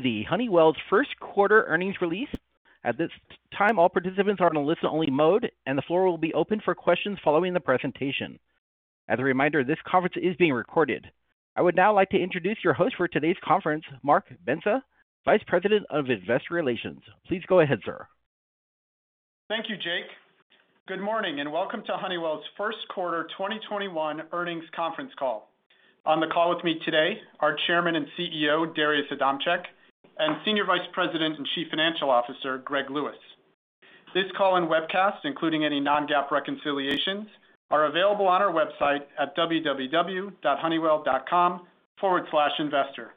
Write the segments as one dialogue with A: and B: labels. A: The Honeywell's first quarter earnings release. At this time, all participants are in a listen only mode, and the floor will be open for questions following the presentation. As a reminder, this conference is being recorded. I would now like to introduce your host for today's conference, Mark Bendza, Vice President of Investor Relations. Please go ahead, sir.
B: Thank you, Jake. Good morning and welcome to Honeywell's first quarter 2021 earnings conference call. On the call with me today, our Chairman and CEO, Darius Adamczyk, and Senior Vice President and Chief Financial Officer, Greg Lewis. This call and webcast, including any non-GAAP reconciliations, are available on our website at www.honeywell.com/investor.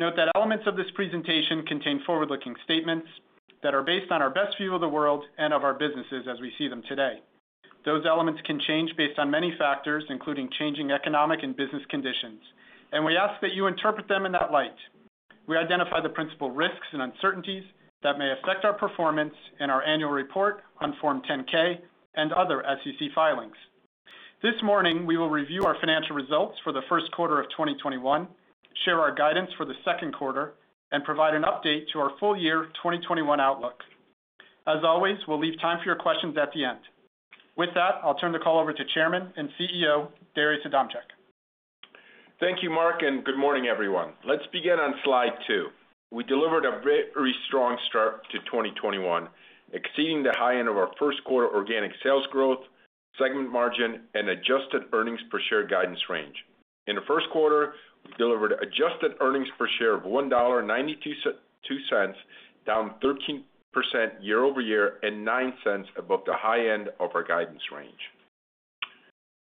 B: Note that elements of this presentation contain forward-looking statements that are based on our best view of the world and of our businesses as we see them today. Those elements can change based on many factors, including changing economic and business conditions, and we ask that you interpret them in that light. We identify the principal risks and uncertainties that may affect our performance in our annual report on Form 10-K and other SEC filings. This morning, we will review our financial results for the first quarter of 2021, share our guidance for the second quarter, and provide an update to our full year 2021 outlook. As always, we'll leave time for your questions at the end. With that, I'll turn the call over to Chairman and CEO, Darius Adamczyk.
C: Thank you, Mark. Good morning, everyone. Let's begin on slide two. We delivered a very strong start to 2021, exceeding the high end of our first quarter organic sales growth, segment margin, and adjusted earnings per share guidance range. In the first quarter, we delivered adjusted earnings per share of $1.92, down 13% year-over-year and $0.09 above the high end of our guidance range.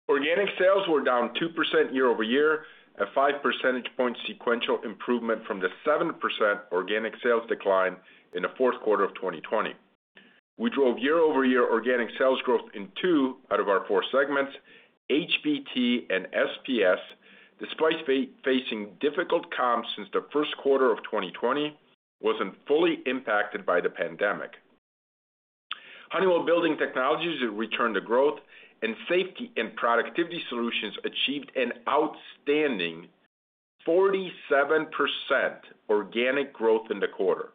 C: Organic sales were down 2% year-over-year, a five percentage point sequential improvement from the 7% organic sales decline in the fourth quarter of 2020. We drove year-over-year organic sales growth in two out of our four segments, HBT and SPS, despite facing difficult comps since the first quarter of 2020, wasn't fully impacted by the pandemic. Honeywell Building Technologies returned to growth. Safety and Productivity Solutions achieved an outstanding 47% organic growth in the quarter.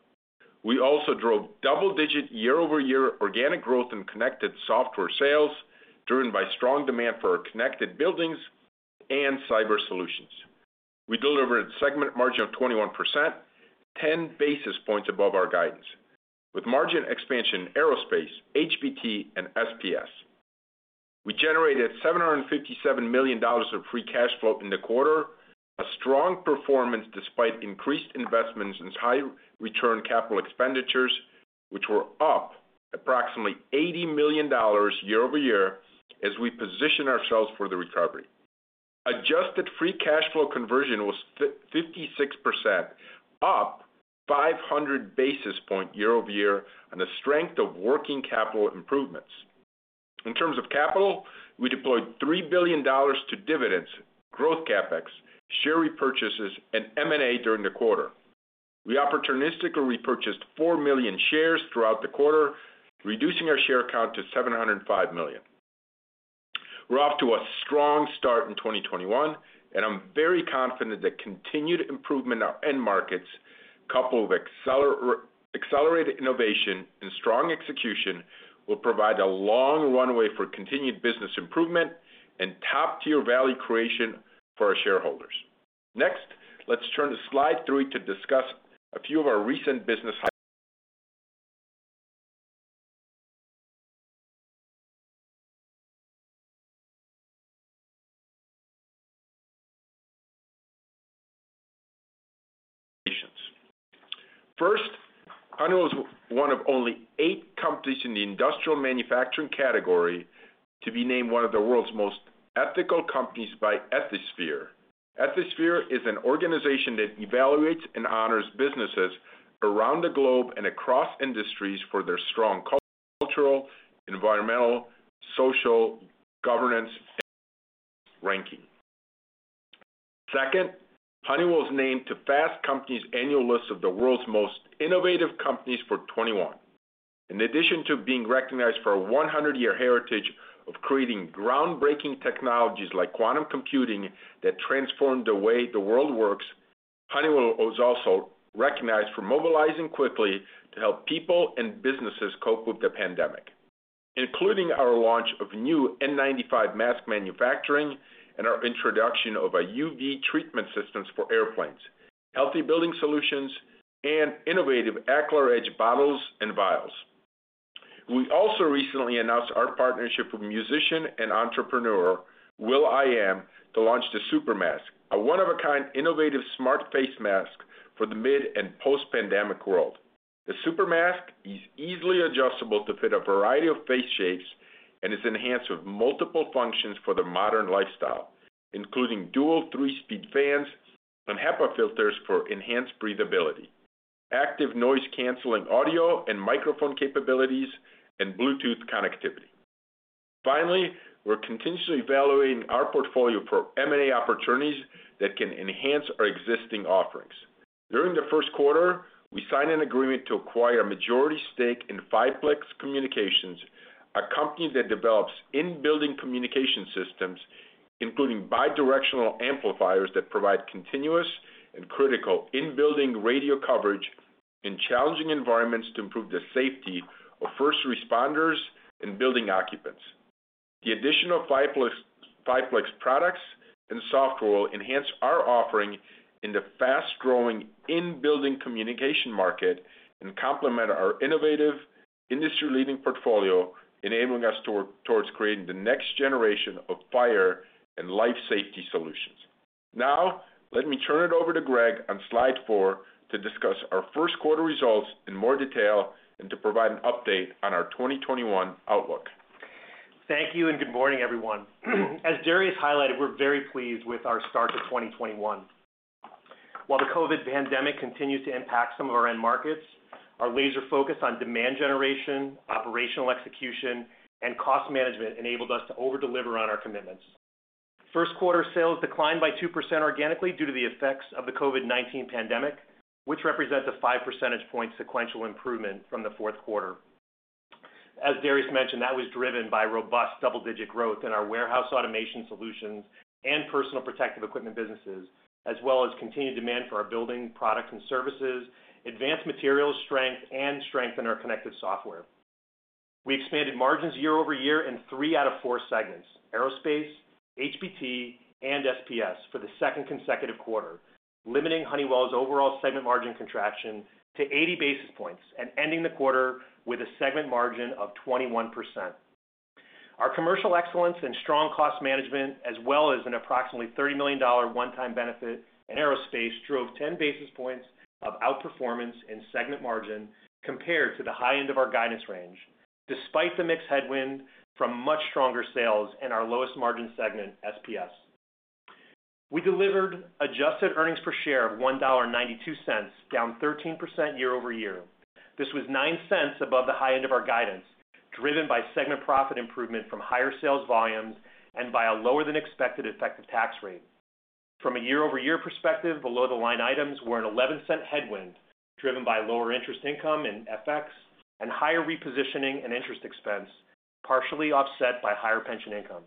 C: We also drove double-digit year-over-year organic growth in connected software sales, driven by strong demand for our connected buildings and cyber solutions. We delivered segment margin of 21%, 10 basis points above our guidance, with margin expansion in Aerospace, HBT, and SPS. We generated $757 million of free cash flow in the quarter, a strong performance despite increased investments in high return capital expenditures, which were up approximately $80 million year-over-year as we position ourselves for the recovery. Adjusted free cash flow conversion was 56%, up 500 basis points year-over-year on the strength of working capital improvements. In terms of capital, we deployed $3 billion to dividends, growth CapEx, share repurchases, and M&A during the quarter. We opportunistically repurchased 4 million shares throughout the quarter, reducing our share count to 705 million. We're off to a strong start in 2021, and I'm very confident that continued improvement in our end markets, coupled with accelerated innovation and strong execution, will provide a long runway for continued business improvement and top-tier value creation for our shareholders. Next, let's turn to slide three to discuss a few of our recent business highlights. First, Honeywell is one of only eight companies in the industrial manufacturing category to be named one of the world's most ethical companies by Ethisphere. Ethisphere is an organization that evaluates and honors businesses around the globe and across industries for their strong cultural, environmental, social governance ranking. Second, Honeywell is named to Fast Company's annual list of the world's most innovative companies for 2021. In addition to being recognized for a 100-year heritage of creating groundbreaking technologies like quantum computing that transformed the way the world works, Honeywell was also recognized for mobilizing quickly to help people and businesses cope with the pandemic, including our launch of new N95 mask manufacturing and our introduction of a UV treatment systems for airplanes, healthy building solutions, and innovative Aclar Edge bottles and vials. We also recently announced our partnership with musician and entrepreneur will.i.am to launch the XUPERMASK, a one-of-a-kind innovative smart face mask for the mid and post-pandemic world. The XUPERMASK is easily adjustable to fit a variety of face shapes and is enhanced with multiple functions for the modern lifestyle, including dual three-speed fans and HEPA filters for enhanced breathability, active noise-canceling audio and microphone capabilities, and Bluetooth connectivity. Finally, we're continuously evaluating our portfolio for M&A opportunities that can enhance our existing offerings. During the first quarter, we signed an agreement to acquire a majority stake in Fiplex Communications, a company that develops in-building communication systems, including bidirectional amplifiers that provide continuous and critical in-building radio coverage in challenging environments to improve the safety of first responders and building occupants. The additional Fiplex products and software will enhance our offering in the fast-growing in-building communication market and complement our innovative industry-leading portfolio, enabling us towards creating the next generation of fire and life safety solutions. Now, let me turn it over to Greg on slide four to discuss our first quarter results in more detail and to provide an update on our 2021 outlook.
D: Thank you, good morning, everyone. As Darius highlighted, we're very pleased with our start to 2021. While the COVID-19 pandemic continues to impact some of our end markets, our laser focus on demand generation, operational execution, and cost management enabled us to over-deliver on our commitments. First quarter sales declined by 2% organically due to the effects of the COVID-19 pandemic, which represents a five percentage point sequential improvement from the fourth quarter. As Darius mentioned, that was driven by robust double-digit growth in our warehouse automation solutions and personal protective equipment businesses, as well as continued demand for our building products and services, Advanced Materials strength, and strength in our connected software. We expanded margins year-over-year in three out of four segments; Aerospace, HBT, and SPS for the second consecutive quarter, limiting Honeywell's overall segment margin contraction to 80 basis points and ending the quarter with a segment margin of 21%. Our commercial excellence and strong cost management, as well as an approximately $30 million one-time benefit in Aerospace, drove 10 basis points of outperformance in segment margin compared to the high end of our guidance range, despite the mix headwind from much stronger sales in our lowest margin segment, SPS. We delivered adjusted earnings per share of $1.92, down 13% year-over-year. This was $0.09 above the high end of our guidance, driven by segment profit improvement from higher sales volumes and by a lower than expected effective tax rate. From a year-over-year perspective, below-the-line items were an $0.11 headwind, driven by lower interest income in FX and higher repositioning and interest expense, partially offset by higher pension income.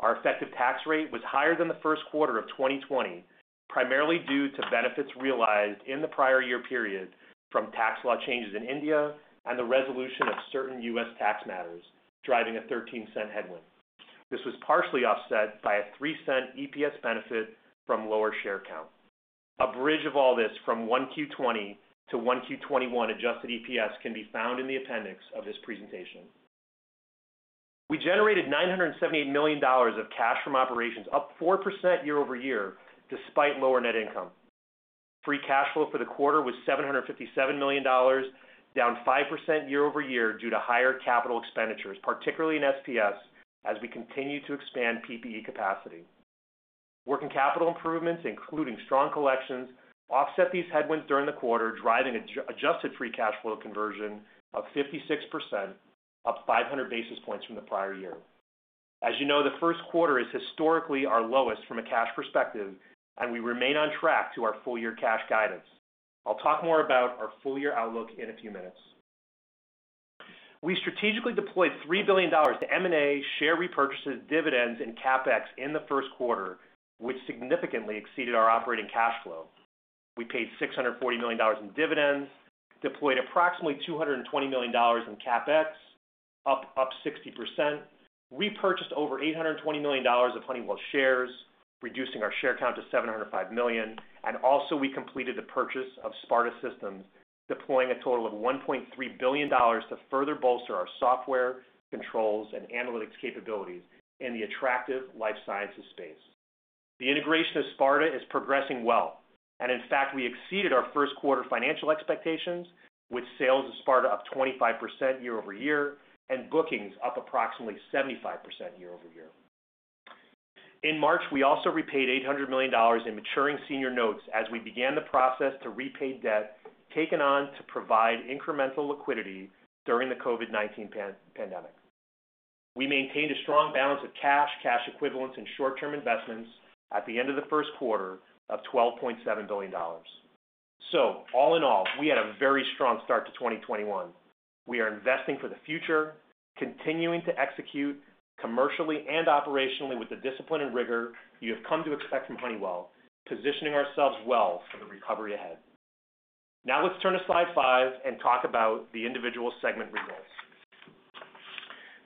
D: Our effective tax rate was higher than the first quarter of 2020, primarily due to benefits realized in the prior year period from tax law changes in India and the resolution of certain U.S. tax matters, driving a $0.13 headwind. This was partially offset by a $0.03 EPS benefit from lower share count. A bridge of all this from 1Q20 to 1Q21 adjusted EPS can be found in the appendix of this presentation. We generated $978 million of cash from operations, up 4% year-over-year, despite lower net income. Free cash flow for the quarter was $757 million, down 5% year-over-year due to higher capital expenditures, particularly in SPS, as we continue to expand PPE capacity. Working capital improvements, including strong collections, offset these headwinds during the quarter, driving adjusted free cash flow conversion of 56%, up 500 basis points from the prior year. As you know, the first quarter is historically our lowest from a cash perspective, and we remain on track to our full year cash guidance. I'll talk more about our full-year outlook in a few minutes. We strategically deployed $3 billion to M&A, share repurchases, dividends, and CapEx in the first quarter, which significantly exceeded our operating cash flow. We paid $640 million in dividends, deployed approximately $220 million in CapEx, up 60%, repurchased over $820 million of Honeywell shares, reducing our share count to 705 million, and also we completed the purchase of Sparta Systems, deploying a total of $1.3 billion to further bolster our software controls and analytics capabilities in the attractive life sciences space. The integration of Sparta is progressing well, and in fact, we exceeded our first quarter financial expectations with sales of Sparta up 25% year-over-year and bookings up approximately 75% year-over-year. In March, we also repaid $800 million in maturing senior notes as we began the process to repay debt taken on to provide incremental liquidity during the COVID-19 pandemic. We maintained a strong balance of cash equivalents, and short-term investments at the end of the first quarter of $12.7 billion. All in all, we had a very strong start to 2021. We are investing for the future, continuing to execute commercially and operationally with the discipline and rigor you have come to expect from Honeywell, positioning ourselves well for the recovery ahead. Let's turn to slide five and talk about the individual segment results.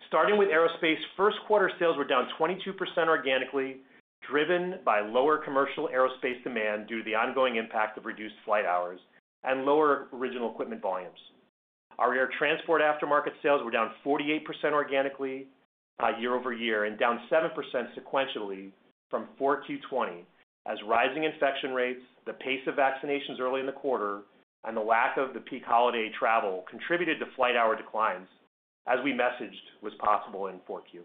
D: Starting with Aerospace, first quarter sales were down 22% organically, driven by lower commercial Aerospace demand due to the ongoing impact of reduced flight hours and lower original equipment volumes. Our Air Transport aftermarket sales were down 48% organically year-over-year and down 7% sequentially from 4Q 2020 as rising infection rates, the pace of vaccinations early in the quarter, and the lack of the peak holiday travel contributed to flight hour declines, as we messaged was possible in 4Q.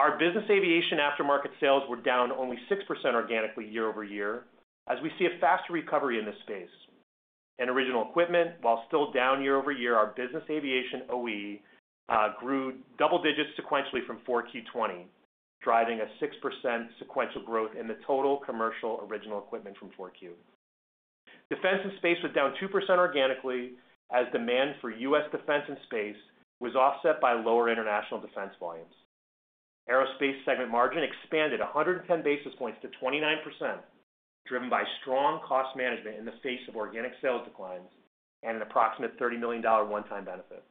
D: Our Business Aviation aftermarket sales were down only 6% organically year-over-year as we see a faster recovery in this space. In original equipment, while still down year-over-year, our business aviation OE grew double-digits sequentially from 4Q 2020, driving a 6% sequential growth in the total commercial original equipment from 4Q. Defense & Space was down 2% organically as demand for U.S. Defense & Space was offset by lower international defense volumes. Aerospace segment margin expanded 110 basis points to 29%, driven by strong cost management in the face of organic sales declines and an approximate $30 million one-time benefit.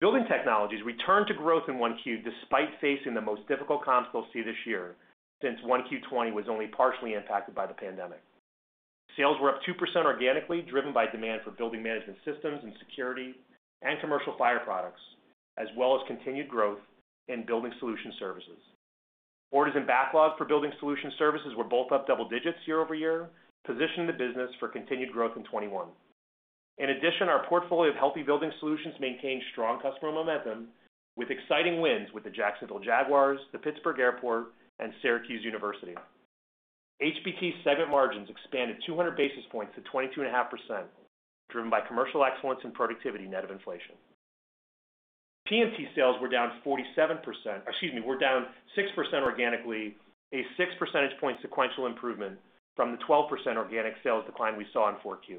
D: Building Technologies returned to growth in 1Q despite facing the most difficult comps they'll see this year, since 1Q 2020 was only partially impacted by the pandemic. Sales were up 2% organically, driven by demand for building management systems and security and commercial fire products, as well as continued growth in building solution services. Orders and backlogs for building solution services were both up double digits year-over-year, positioning the business for continued growth in 2021. In addition, our portfolio of healthy building solutions maintained strong customer momentum, with exciting wins with the Jacksonville Jaguars, the Pittsburgh Airport, and Syracuse University. HBT segment margins expanded 200 basis points to 22.5%, driven by commercial excellence and productivity net of inflation. PMT sales were down 6% organically, a six percentage point sequential improvement from the 12% organic sales decline we saw in 4Q.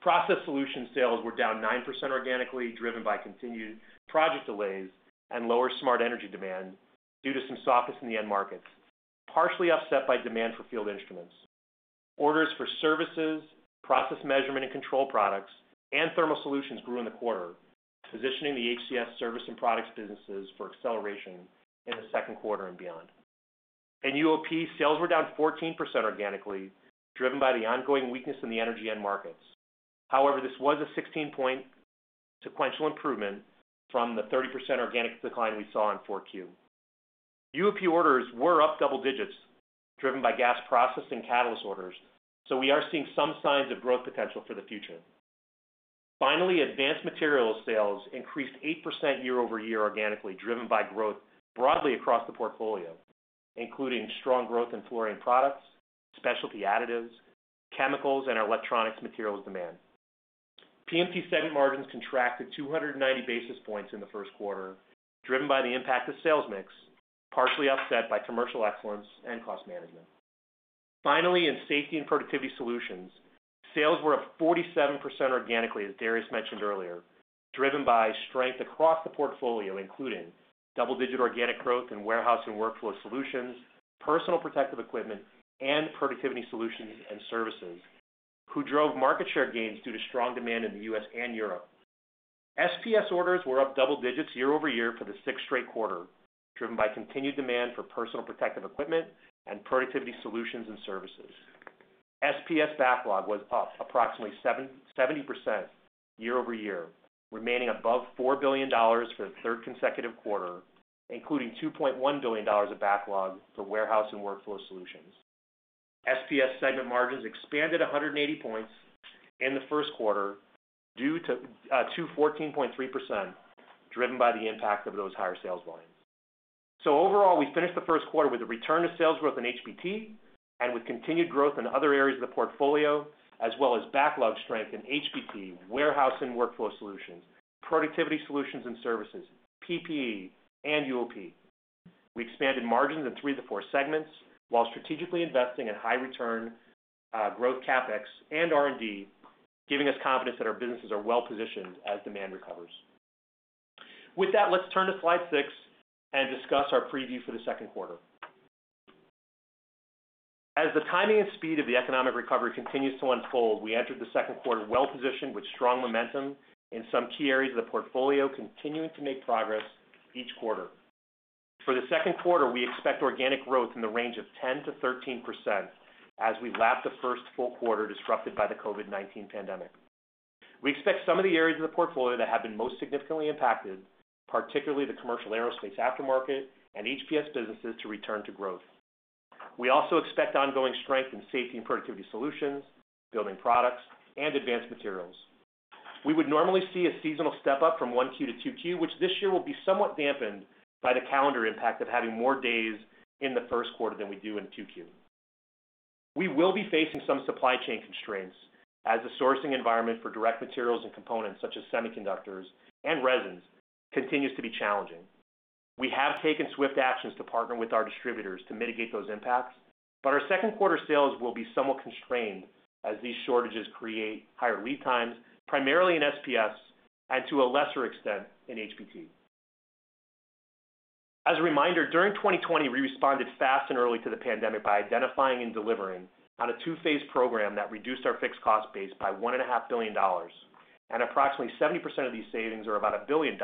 D: Process Solution sales were down 9% organically, driven by continued project delays and lower smart energy demand due to some softness in the end markets, partially offset by demand for field instruments. Orders for services, process measurement and control products, and thermal solutions grew in the quarter, positioning the HCS service and products businesses for acceleration in the second quarter and beyond. In UOP, sales were down 14% organically, driven by the ongoing weakness in the energy end markets. This was a 16-point sequential improvement from the 30% organic decline we saw in 4Q. UOP orders were up double digits, driven by gas processing catalyst orders. We are seeing some signs of growth potential for the future. Advanced Materials sales increased 8% year-over-year organically, driven by growth broadly across the portfolio, including strong growth in fluorine products, specialty additives, chemicals, and our electronics materials demand. PMT segment margins contracted 290 basis points in the first quarter, driven by the impact of sales mix, partially offset by commercial excellence and cost management. Finally, in Safety and Productivity Solutions, sales were up 47% organically, as Darius mentioned earlier, driven by strength across the portfolio, including double-digit organic growth in warehouse and workflow solutions, personal protective equipment, and productivity solutions and services, who drove market share gains due to strong demand in the U.S. and Europe. SPS orders were up double digits year-over-year for the sixth straight quarter, driven by continued demand for personal protective equipment and productivity solutions and services. SPS backlog was up approximately 70% year-over-year, remaining above $4 billion for the third consecutive quarter, including $2.1 billion of backlog for warehouse and workflow solutions. SPS segment margins expanded 180 points in the first quarter, to 14.3%, driven by the impact of those higher sales volumes. Overall, we finished the first quarter with a return to sales growth in HBT and with continued growth in other areas of the portfolio, as well as backlog strength in HBT, warehouse and workflow solutions, Productivity Solutions and Services, PPE, and UOP. We expanded margins in three of the four segments while strategically investing in high return growth CapEx and R&D, giving us confidence that our businesses are well positioned as demand recovers. With that, let's turn to slide six and discuss our preview for the second quarter. As the timing and speed of the economic recovery continues to unfold, we entered the second quarter well-positioned with strong momentum in some key areas of the portfolio, continuing to make progress each quarter. For the second quarter, we expect organic growth in the range of 10%-13% as we lap the first full quarter disrupted by the COVID-19 pandemic. We expect some of the areas of the portfolio that have been most significantly impacted, particularly the commercial aerospace aftermarket and HPS businesses, to return to growth. We also expect ongoing strength in Safety and Productivity Solutions, Building Products, and Advanced Materials. We would normally see a seasonal step-up from 1Q to 2Q, which this year will be somewhat dampened by the calendar impact of having more days in the first quarter than we do in 2Q. We will be facing some supply chain constraints as the sourcing environment for direct materials and components, such as semiconductors and resins, continues to be challenging. We have taken swift actions to partner with our distributors to mitigate those impacts, but our second quarter sales will be somewhat constrained as these shortages create higher lead times, primarily in SPS and to a lesser extent in HBT. As a reminder, during 2020, we responded fast and early to the pandemic by identifying and delivering on a two-phase program that reduced our fixed cost base by $1.5 billion, and approximately 70% of these savings, or about $1 billion,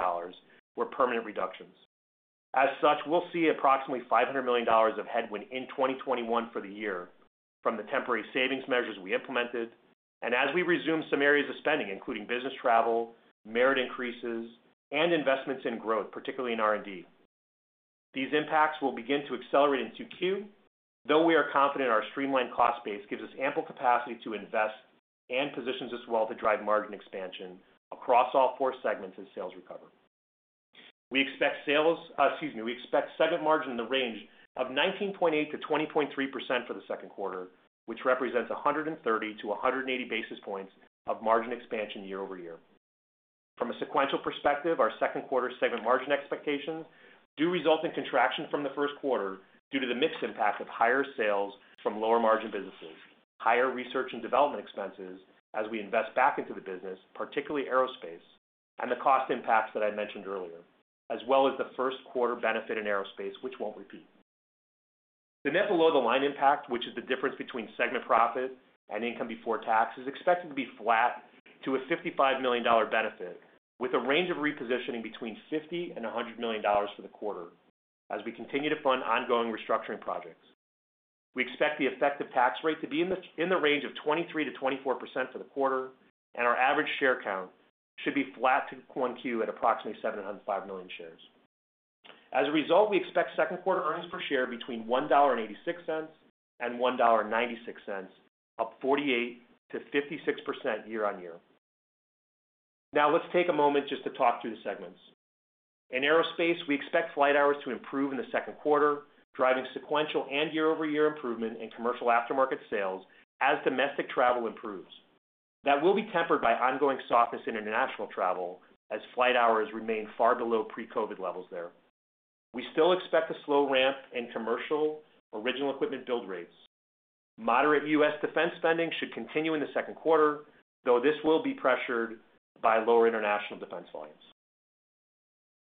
D: were permanent reductions. We'll see approximately $500 million of headwind in 2021 for the year from the temporary savings measures we implemented, as we resume some areas of spending, including business travel, merit increases, and investments in growth, particularly in R&D. These impacts will begin to accelerate in 2Q, though we are confident our streamlined cost base gives us ample capacity to invest and positions us well to drive margin expansion across all four segments as sales recover. We expect segment margin in the range of 19.8%-20.3% for the second quarter, which represents 130-180 basis points of margin expansion year-over-year. From a sequential perspective, our second quarter segment margin expectations do result in contraction from the first quarter due to the mix impact of higher sales from lower margin businesses, higher research and development expenses as we invest back into the business, particularly Aerospace, and the cost impacts that I mentioned earlier, as well as the first quarter benefit in Aerospace, which won't repeat. The net below the line impact, which is the difference between segment profit and income before tax, is expected to be flat to a $55 million benefit, with a range of repositioning between $50 million and $100 million for the quarter as we continue to fund ongoing restructuring projects. We expect the effective tax rate to be in the range of 23%-24% for the quarter, our average share count should be flat to 1Q at approximately 705 million shares. As a result, we expect second quarter earnings per share between $1.86 and $1.96, up 48%-56% year-over-year. Let's take a moment just to talk through the segments. In Aerospace, we expect flight hours to improve in the second quarter, driving sequential and year-over-year improvement in commercial aftermarket sales as domestic travel improves. That will be tempered by ongoing softness in international travel, as flight hours remain far below pre-COVID levels there. We still expect a slow ramp in commercial original equipment build rates. Moderate U.S. defense spending should continue in the second quarter, though this will be pressured by lower international defense volumes.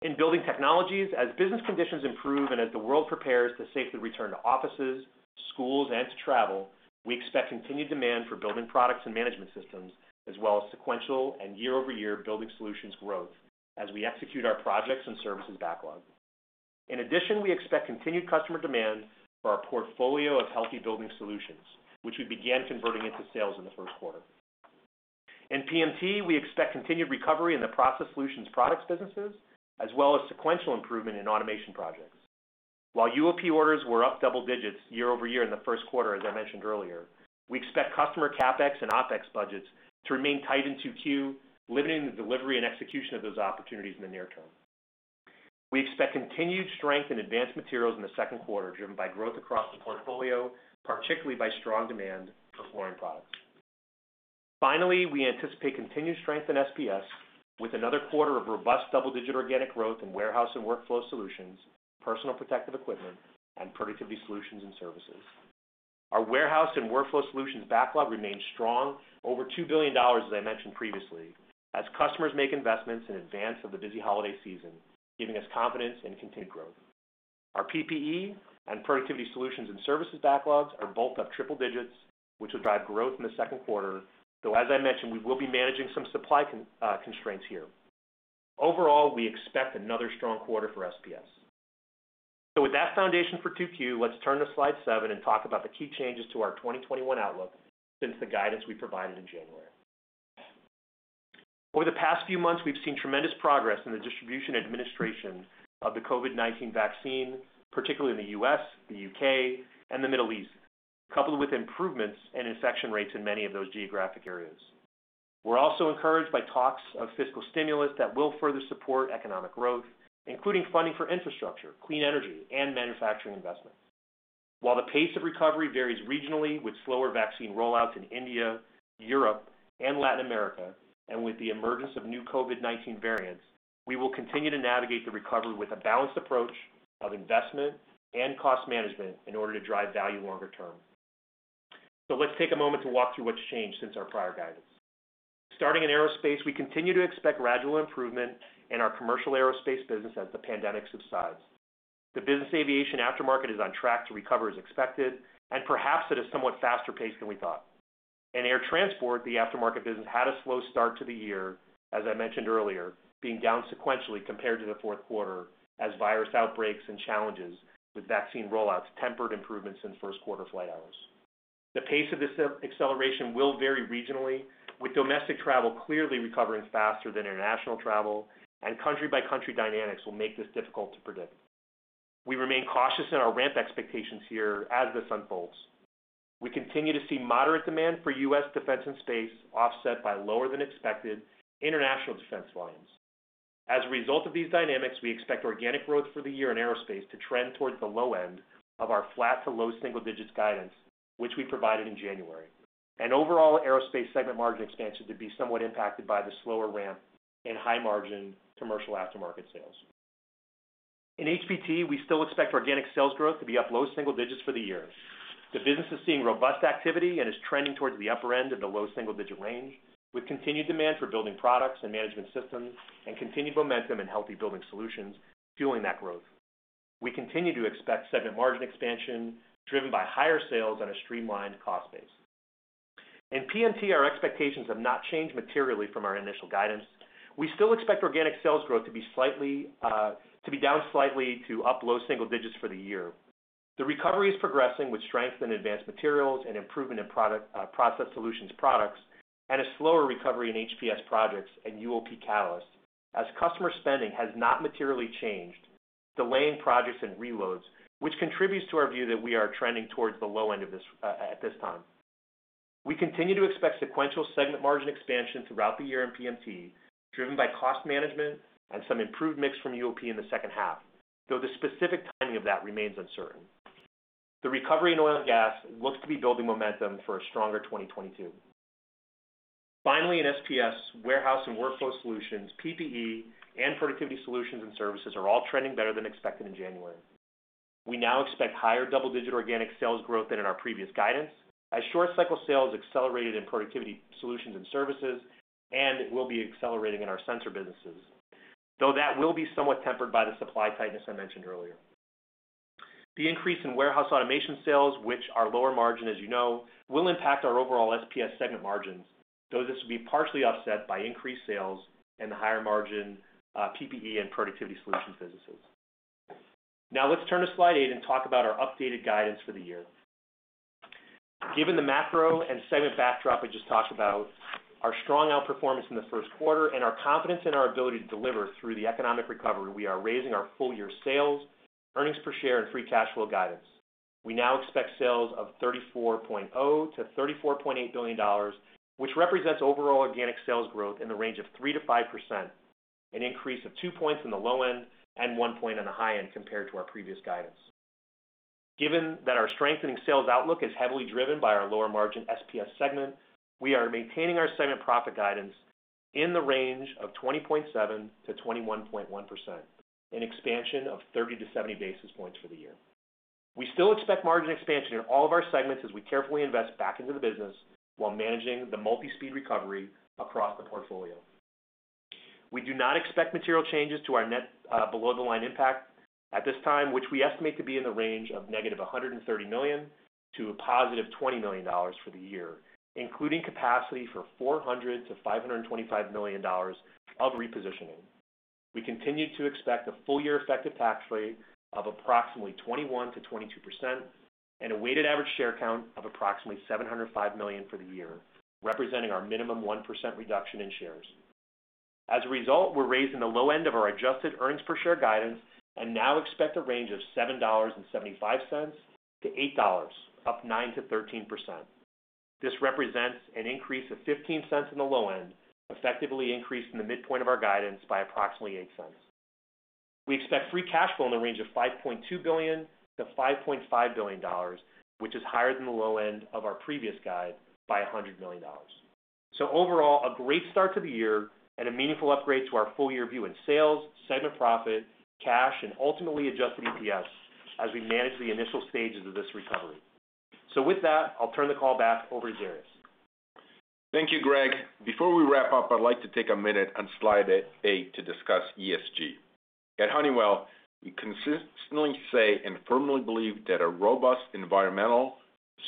D: In Building Technologies, as business conditions improve and as the world prepares to safely return to offices, schools, and to travel, we expect continued demand for building products and management systems, as well as sequential and year-over-year building solutions growth as we execute our projects and services backlog. In addition, we expect continued customer demand for our portfolio of healthy building solutions, which we began converting into sales in the first quarter. In PMT, we expect continued recovery in the Process Solutions products businesses, as well as sequential improvement in automation projects. While UOP orders were up double digits year-over-year in the first quarter, as I mentioned earlier, we expect customer CapEx and OpEx budgets to remain tight in 2Q, limiting the delivery and execution of those opportunities in the near term. We expect continued strength in Advanced Materials in the second quarter, driven by growth across the portfolio, particularly by strong demand for fluorine products. We anticipate continued strength in SPS with another quarter of robust double-digit organic growth in warehouse and workflow solutions, personal protective equipment, and Productivity Solutions and Services. Our warehouse and workflow solutions backlog remains strong, over $2 billion, as I mentioned previously, as customers make investments in advance of the busy holiday season, giving us confidence in continued growth. Our PPE and Productivity Solutions and Services backlogs are both up triple digits, which will drive growth in the second quarter, though as I mentioned, we will be managing some supply constraints here. We expect another strong quarter for SPS. With that foundation for 2Q, let's turn to slide seven and talk about the key changes to our 2021 outlook since the guidance we provided in January. Over the past few months, we've seen tremendous progress in the distribution administration of the COVID-19 vaccine, particularly in the U.S., the U.K., and the Middle East, coupled with improvements in infection rates in many of those geographic areas. We're also encouraged by talks of fiscal stimulus that will further support economic growth, including funding for infrastructure, clean energy, and manufacturing investment. While the pace of recovery varies regionally with slower vaccine rollouts in India, Europe, and Latin America, and with the emergence of new COVID-19 variants, we will continue to navigate the recovery with a balanced approach of investment and cost management in order to drive value longer term. Let's take a moment to walk through what's changed since our prior guidance. Starting in Aerospace, we continue to expect gradual improvement in our commercial Aerospace business as the pandemic subsides. The business aviation aftermarket is on track to recover as expected, and perhaps at a somewhat faster pace than we thought. In air transport, the aftermarket business had a slow start to the year, as I mentioned earlier, being down sequentially compared to the fourth quarter as virus outbreaks and challenges with vaccine rollouts tempered improvements in first quarter flight hours. The pace of this acceleration will vary regionally, with domestic travel clearly recovering faster than international travel, and country-by-country dynamics will make this difficult to predict. We remain cautious in our ramp expectations here as this unfolds. We continue to see moderate demand for U.S. Defense & Space offset by lower than expected international defense volumes. As a result of these dynamics, we expect organic growth for the year in Aerospace to trend towards the low end of our flat to low single digits guidance, which we provided in January. Overall Aerospace segment margin expansion to be somewhat impacted by the slower ramp and high margin commercial aftermarket sales. In HBT, we still expect organic sales growth to be up low single digits for the year. The business is seeing robust activity and is trending towards the upper end of the low double single digit range, with continued demand for building products and management systems, and continued momentum in healthy building solutions fueling that growth. We continue to expect segment margin expansion driven by higher sales and a streamlined cost base. In PMT, our expectations have not changed materially from our initial guidance. We still expect organic sales growth to be down slightly to up low single digits for the year. The recovery is progressing with strength in Advanced Materials and improvement in Process Solutions products, and a slower recovery in HPS projects and UOP catalysts as customer spending has not materially changed, delaying projects and reloads, which contributes to our view that we are trending towards the low end at this time. We continue to expect sequential segment margin expansion throughout the year in PMT, driven by cost management and some improved mix from UOP in the second half, though the specific timing of that remains uncertain. The recovery in oil and gas looks to be building momentum for a stronger 2022. In SPS, warehouse and workflow solutions, PPE, and Productivity Solutions and Services are all trending better than expected in January. We now expect higher double-digit organic sales growth than in our previous guidance, as short cycle sales accelerated in Productivity Solutions and Services, and will be accelerating in our sensor businesses. Though that will be somewhat tempered by the supply tightness I mentioned earlier. The increase in warehouse automation sales, which are lower margin as you know, will impact our overall SPS segment margins, though this will be partially offset by increased sales in the higher margin PPE and productivity solutions businesses. Let's turn to slide eight and talk about our updated guidance for the year. Given the macro and segment backdrop I just talked about, our strong outperformance in the first quarter, and our confidence in our ability to deliver through the economic recovery, we are raising our full year sales, earnings per share, and free cash flow guidance. We now expect sales of $34.0 billion-$34.8 billion, which represents overall organic sales growth in the range of 3%-5%, an increase of two points in the low end, and one point on the high end compared to our previous guidance. Given that our strengthening sales outlook is heavily driven by our lower margin SPS segment, we are maintaining our segment profit guidance in the range of 20.7%-21.1%, an expansion of 30-70 basis points for the year. We still expect margin expansion in all of our segments as we carefully invest back into the business while managing the multi-speed recovery across the portfolio. We do not expect material changes to our net below the line impact at this time, which we estimate to be in the range of negative $130 million to a +$20 million for the year, including capacity for $400 million-$525 million of repositioning. We continue to expect a full year effective tax rate of approximately 21%-22%, and a weighted average share count of approximately 705 million for the year, representing our minimum 1% reduction in shares. As a result, we're raising the low end of our adjusted earnings per share guidance and now expect a range of $7.75-$8, up 9%-13%. This represents an increase of $0.15 on the low end, effectively increasing the midpoint of our guidance by approximately $0.08. We expect free cash flow in the range of $5.2 billion-$5.5 billion, which is higher than the low end of our previous guide by $100 million. Overall, a great start to the year and a meaningful upgrade to our full year view in sales, segment profit, cash, and ultimately adjusted EPS as we manage the initial stages of this recovery. With that, I'll turn the call back over to Darius.
C: Thank you, Greg. Before we wrap up, I'd like to take a minute on slide eight to discuss ESG. At Honeywell, we consistently say and firmly believe that a robust environmental,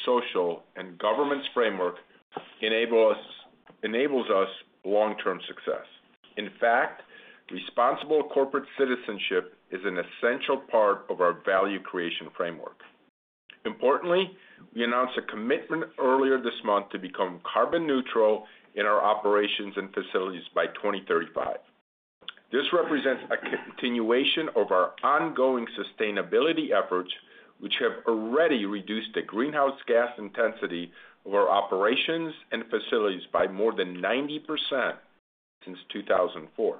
C: social, and governance framework enables us long-term success. In fact, responsible corporate citizenship is an essential part of our value creation framework. Importantly, we announced a commitment earlier this month to become carbon neutral in our operations and facilities by 2035. This represents a continuation of our ongoing sustainability efforts, which have already reduced the greenhouse gas intensity of our operations and facilities by more than 90% since 2004.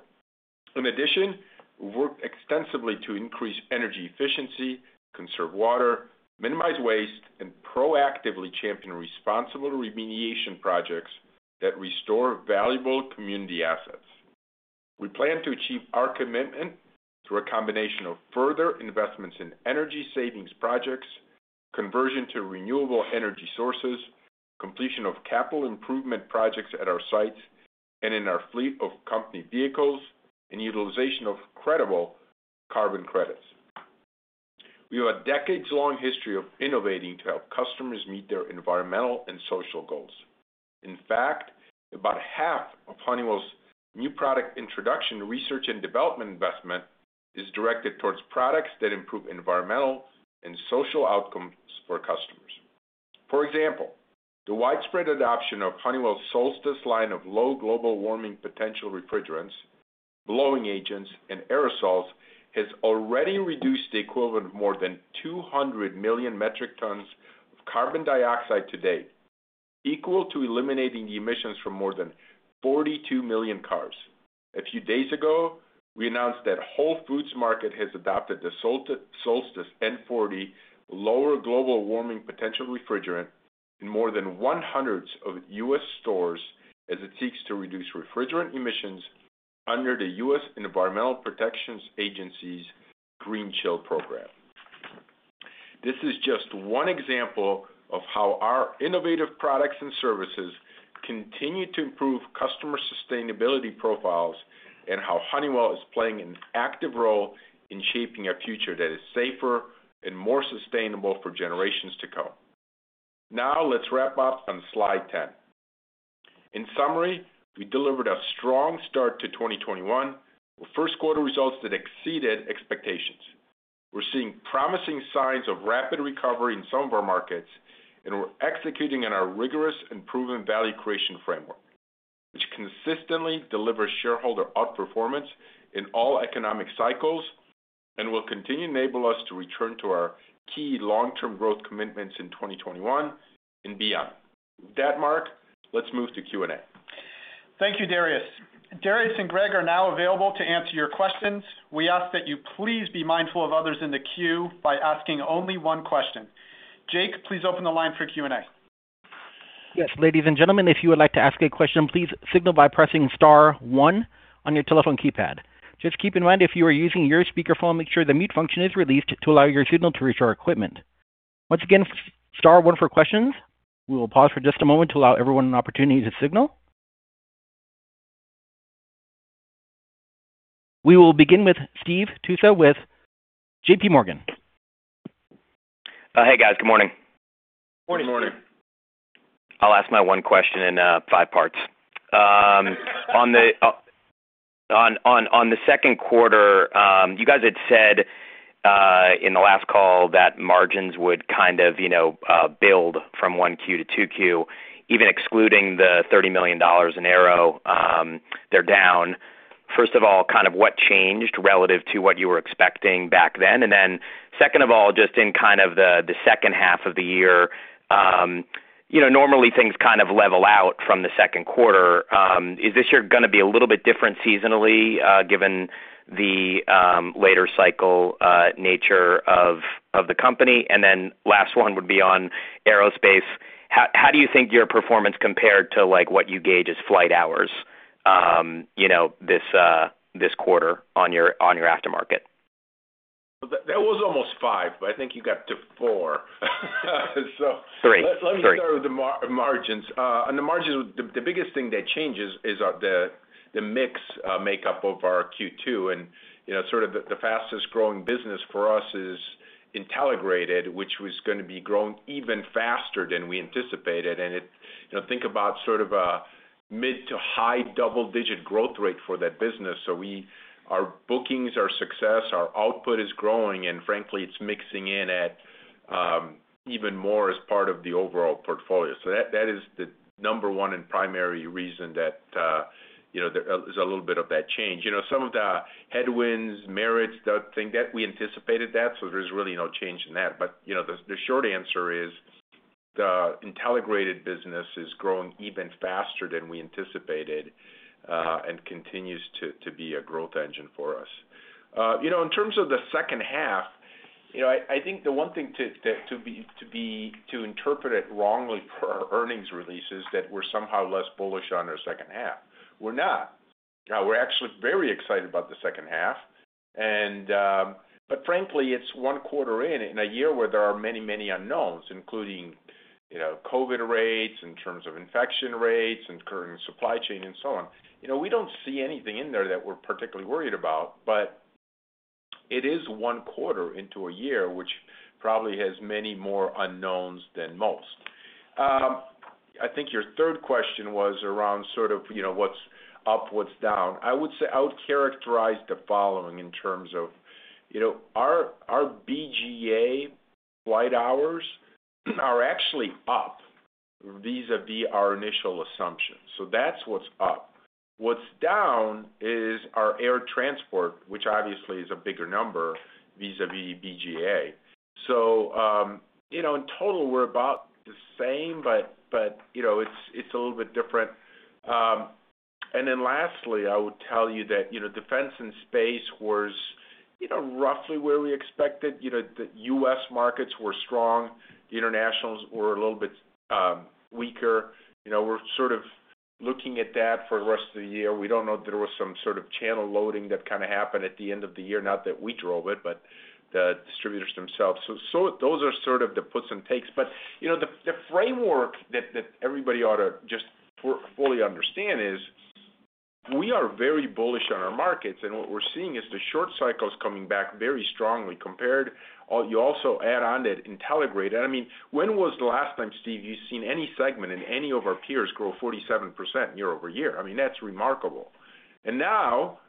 C: In addition, we've worked extensively to increase energy efficiency, conserve water, minimize waste, and proactively champion responsible remediation projects that restore valuable community assets. We plan to achieve our commitment through a combination of further investments in energy savings projects, conversion to renewable energy sources, completion of capital improvement projects at our sites and in our fleet of company vehicles, and utilization of credible carbon credits. We have a decades long history of innovating to help customers meet their environmental and social goals. In fact, about half of Honeywell's new product introduction research and development investment is directed towards products that improve environmental and social outcomes for customers. For example, the widespread adoption of Honeywell Solstice line of low global warming potential refrigerants, blowing agents, and aerosols has already reduced the equivalent of more than 200 million metric tons of carbon dioxide to date, equal to eliminating the emissions from more more than 42 million cars. A few days ago, we announced that Whole Foods Market has adopted the Solstice N40 lower global warming potential refrigerant in more than 100 of its U.S. stores, as it seeks to reduce refrigerant emissions under the U.S. Environmental Protection Agency's GreenChill program. This is just one example of how our innovative products and services continue to improve customer sustainability profiles, and how Honeywell is playing an active role in shaping a future that is safer and more sustainable for generations to come. Let's wrap up on slide 10. In summary, we delivered a strong start to 2021 with first quarter results that exceeded expectations. We're seeing promising signs of rapid recovery in some of our markets, and we're executing on our rigorous and proven value creation framework, which consistently delivers shareholder outperformance in all economic cycles and will continue to enable us to return to our key long-term growth commitments in 2021 and beyond. With that, Mark, let's move to Q&A.
B: Thank you, Darius. Darius and Greg are now available to answer your questions. We ask that you please be mindful of others in the queue by asking only one question. Jake, please open the line for Q&A.
A: Yes. Ladies and gentlemen, if you would like to ask a question, please signal by pressing star one on your telephone keypad. Just keep in mind, if you are using your speakerphone, make sure the mute function is released to allow your signal to reach our equipment. Once again, star one for questions. We will pause for just a moment to allow everyone an opportunity to signal. We will begin with Steve Tusa with JPMorgan.
E: Hey, guys. Good morning.
B: Morning.
C: Good morning.
E: I'll ask my one question in five parts. On the second quarter, you guys had said in the last call that margins would kind of build from 1Q to 2Q. Even excluding the $30 million in Aero, they're down. First of all, what changed relative to what you were expecting back then? Then second of all, just in the second half of the year, normally things kind of level out from the second quarter. Is this year going to be a little bit different seasonally, given the later cycle nature of the company? Then last one would be on Aerospace. How do you think your performance compared to what you gauge as flight hours this quarter on your aftermarket?
C: That was almost five, but I think you got to four.
E: Three.
C: Let me start with the margins. On the margins, the biggest thing that changes is the mix makeup of our Q2. Sort of the fastest growing business for us is Intelligrated, which was going to be growing even faster than we anticipated. Think about sort of a mid to high double-digit growth rate for that business. Our bookings, our success, our output is growing, and frankly, it's mixing in at even more as part of the overall portfolio. That is the number one and primary reason that there is a little bit of that change. Some of the headwinds, merits, that thing, we anticipated that. There's really no change in that. The short answer is the Intelligrated business is growing even faster than we anticipated, and continues to be a growth engine for us. In terms of the second half, I think the one thing to interpret it wrongly for our earnings release is that we're somehow less bullish on our second half. We're not. We're actually very excited about the second half. Frankly, it's one quarter in a year where there are many unknowns, including COVID-19 rates, in terms of infection rates and current supply chain and so on. We don't see anything in there that we're particularly worried about, but it is one quarter into a year, which probably has many more unknowns than most. I think your third question was around what's up, what's down. I would characterize the following in terms of our BGA flight hours are actually up vis-a-vis our initial assumptions. That's what's up. What's down is our air transport, which obviously is a bigger number vis-a-vis BGA. In total, we're about the same, but it's a little bit different. Lastly, I would tell you that Defense & Space was roughly where we expected. The U.S. markets were strong. The internationals were a little bit weaker. We're sort of looking at that for the rest of the year. We don't know if there was some sort of channel loading that kind of happened at the end of the year, not that we drove it, but the distributors themselves. Those are sort of the puts and takes. The framework that everybody ought to just fully understand is we are very bullish on our markets, and what we're seeing is the short cycles coming back very strongly compared. You also add on it Intelligrated. When was the last time, Steve, you've seen any segment in any of our peers grow 47% year-over-year? That's remarkable. Now,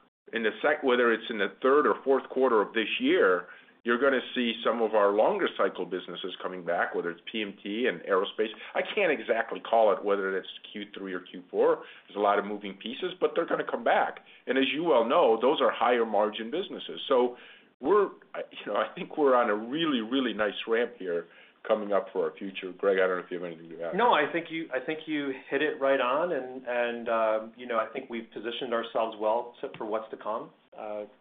C: whether it's in the third or fourth quarter of this year, you're going to see some of our longer cycle businesses coming back, whether it's PMT and Aerospace. I can't exactly call it whether that's Q3 or Q4. There's a lot of moving pieces, they're going to come back. As you well know, those are higher margin businesses. I think we're on a really nice ramp here coming up for our future. Greg, I don't know if you have anything to add.
D: I think you hit it right on, and I think we've positioned ourselves well for what's to come.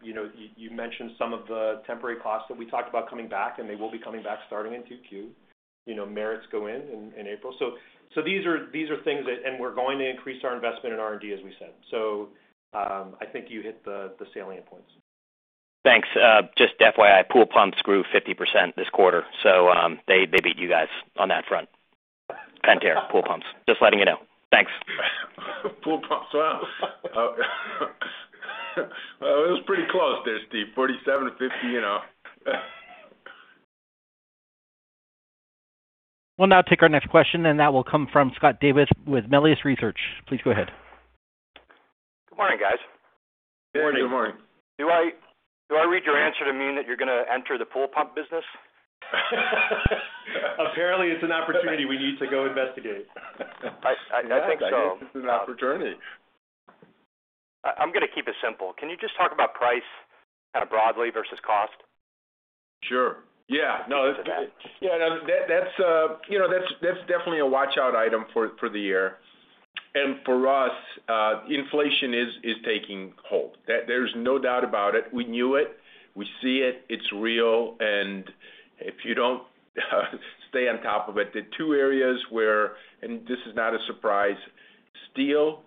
D: You mentioned some of the temporary costs that we talked about coming back, and they will be coming back starting in 2Q. Merits go in in April. These are things, and we're going to increase our investment in R&D, as we said. I think you hit the salient points.
E: Thanks. Just FYI, pool pumps grew 50% this quarter, so they beat you guys on that front. Pentair pool pumps, just letting you know. Thanks.
C: Pool pumps. Wow. It was pretty close there, Steve, 47-50.
A: We'll now take our next question, and that will come from Scott Davis with Melius Research. Please go ahead.
F: Good morning, guys.
C: Good morning.
B: Good morning.
F: Do I read your answer to mean that you're going to enter the pool pump business?
B: Apparently, it's an opportunity we need to go investigate.
F: I think so.
C: Yeah, I think it's an opportunity.
F: I'm going to keep it simple. Can you just talk about price kind of broadly versus cost?
C: Sure. Yeah. That's definitely a watch-out item for the year. For us, inflation is taking hold. There's no doubt about it. We knew it. We see it. It's real. If you don't stay on top of it, the two areas where, and this is not a surprise, steel,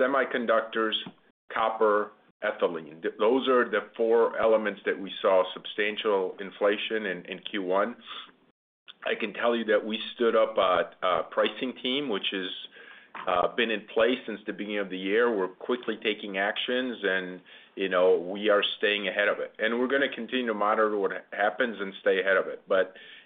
C: semiconductors, copper, ethylene, those are the four elements that we saw substantial inflation in Q1. I can tell you that we stood up a pricing team, which has been in place since the beginning of the year. We're quickly taking actions and we are staying ahead of it. We're going to continue to monitor what happens and stay ahead of it.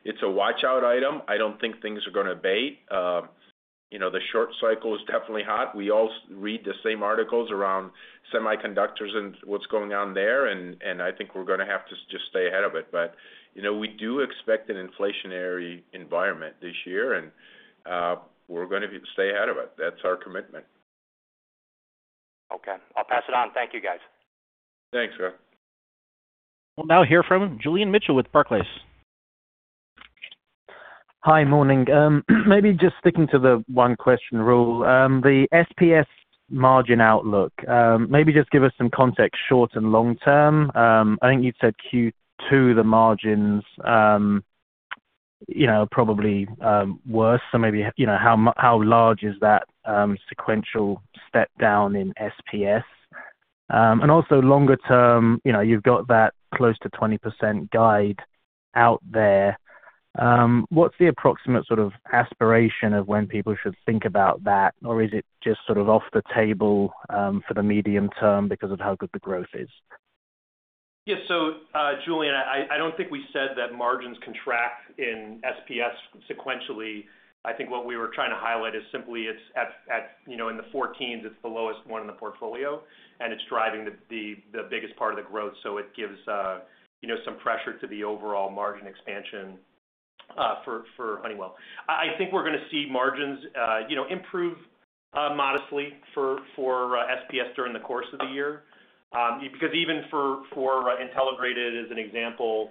C: It's a watch-out item. I don't think things are going to abate. The short cycle is definitely hot. We all read the same articles around semiconductors and what's going on there. I think we're going to have to just stay ahead of it. We do expect an inflationary environment this year. We're going to stay ahead of it. That's our commitment.
F: Okay, I'll pass it on. Thank you, guys.
C: Thanks, Rob.
A: We'll now hear from Julian Mitchell with Barclays.
G: Hi. Morning. Maybe just sticking to the one-question rule. The SPS margin outlook, maybe just give us some context, short and long term. I think you'd said Q2, the margins are probably worse. Maybe, how large is that sequential step down in SPS? Also longer term, you've got that close to 20% guide out there. What's the approximate sort of aspiration of when people should think about that? Is it just sort of off the table for the medium term because of how good the growth is?
D: Julian, I don't think we said that margins contract in SPS sequentially. I think what we were trying to highlight is simply it's in the 14s, it's the lowest one in the portfolio, and it's driving the biggest part of the growth. It gives some pressure to the overall margin expansion for Honeywell. I think we're going to see margins improve modestly for SPS during the course of the year. Even for Intelligrated, as an example,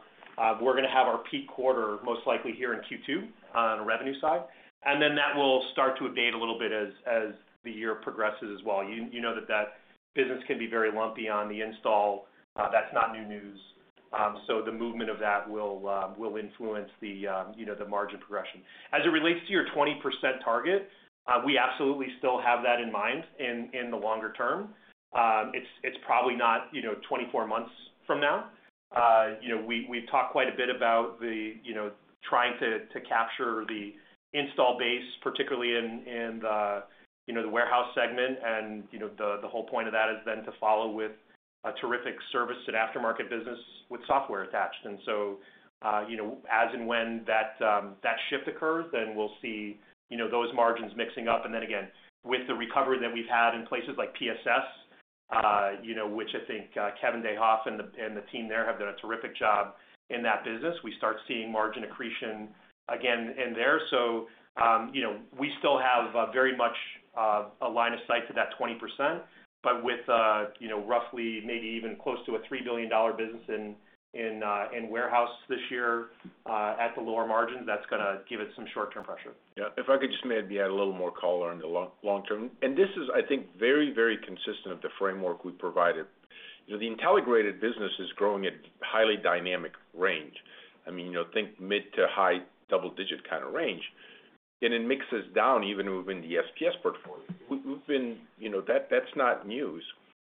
D: we're going to have our peak quarter most likely here in Q2 on the revenue side. That will start to abate a little bit as the year progresses as well. You know that that business can be very lumpy on the install. That's not new news. The movement of that will influence the margin progression. As it relates to your 20% target, we absolutely still have that in mind in the longer term. It's probably not 24 months from now. We've talked quite a bit about trying to capture the install base, particularly in the warehouse segment, and the whole point of that is then to follow with a terrific service and aftermarket business with software attached. As in when that shift occurs, then we'll see those margins mixing up. Again, with the recovery that we've had in places like PSS, which I think Kevin DeHoff and the team there have done a terrific job in that business. We start seeing margin accretion again in there. We still have very much a line of sight to that 20%, but with roughly maybe even close to a $3 billion business in warehouse this year at the lower margin, that's going to give it some short-term pressure.
C: Yeah. If I could just maybe add a little more color on the long term, this is, I think, very consistent of the framework we provided. The Intelligrated business is growing at highly dynamic range. Think mid to high double-digit kind of range. It mixes down even within the SPS portfolio. That's not news.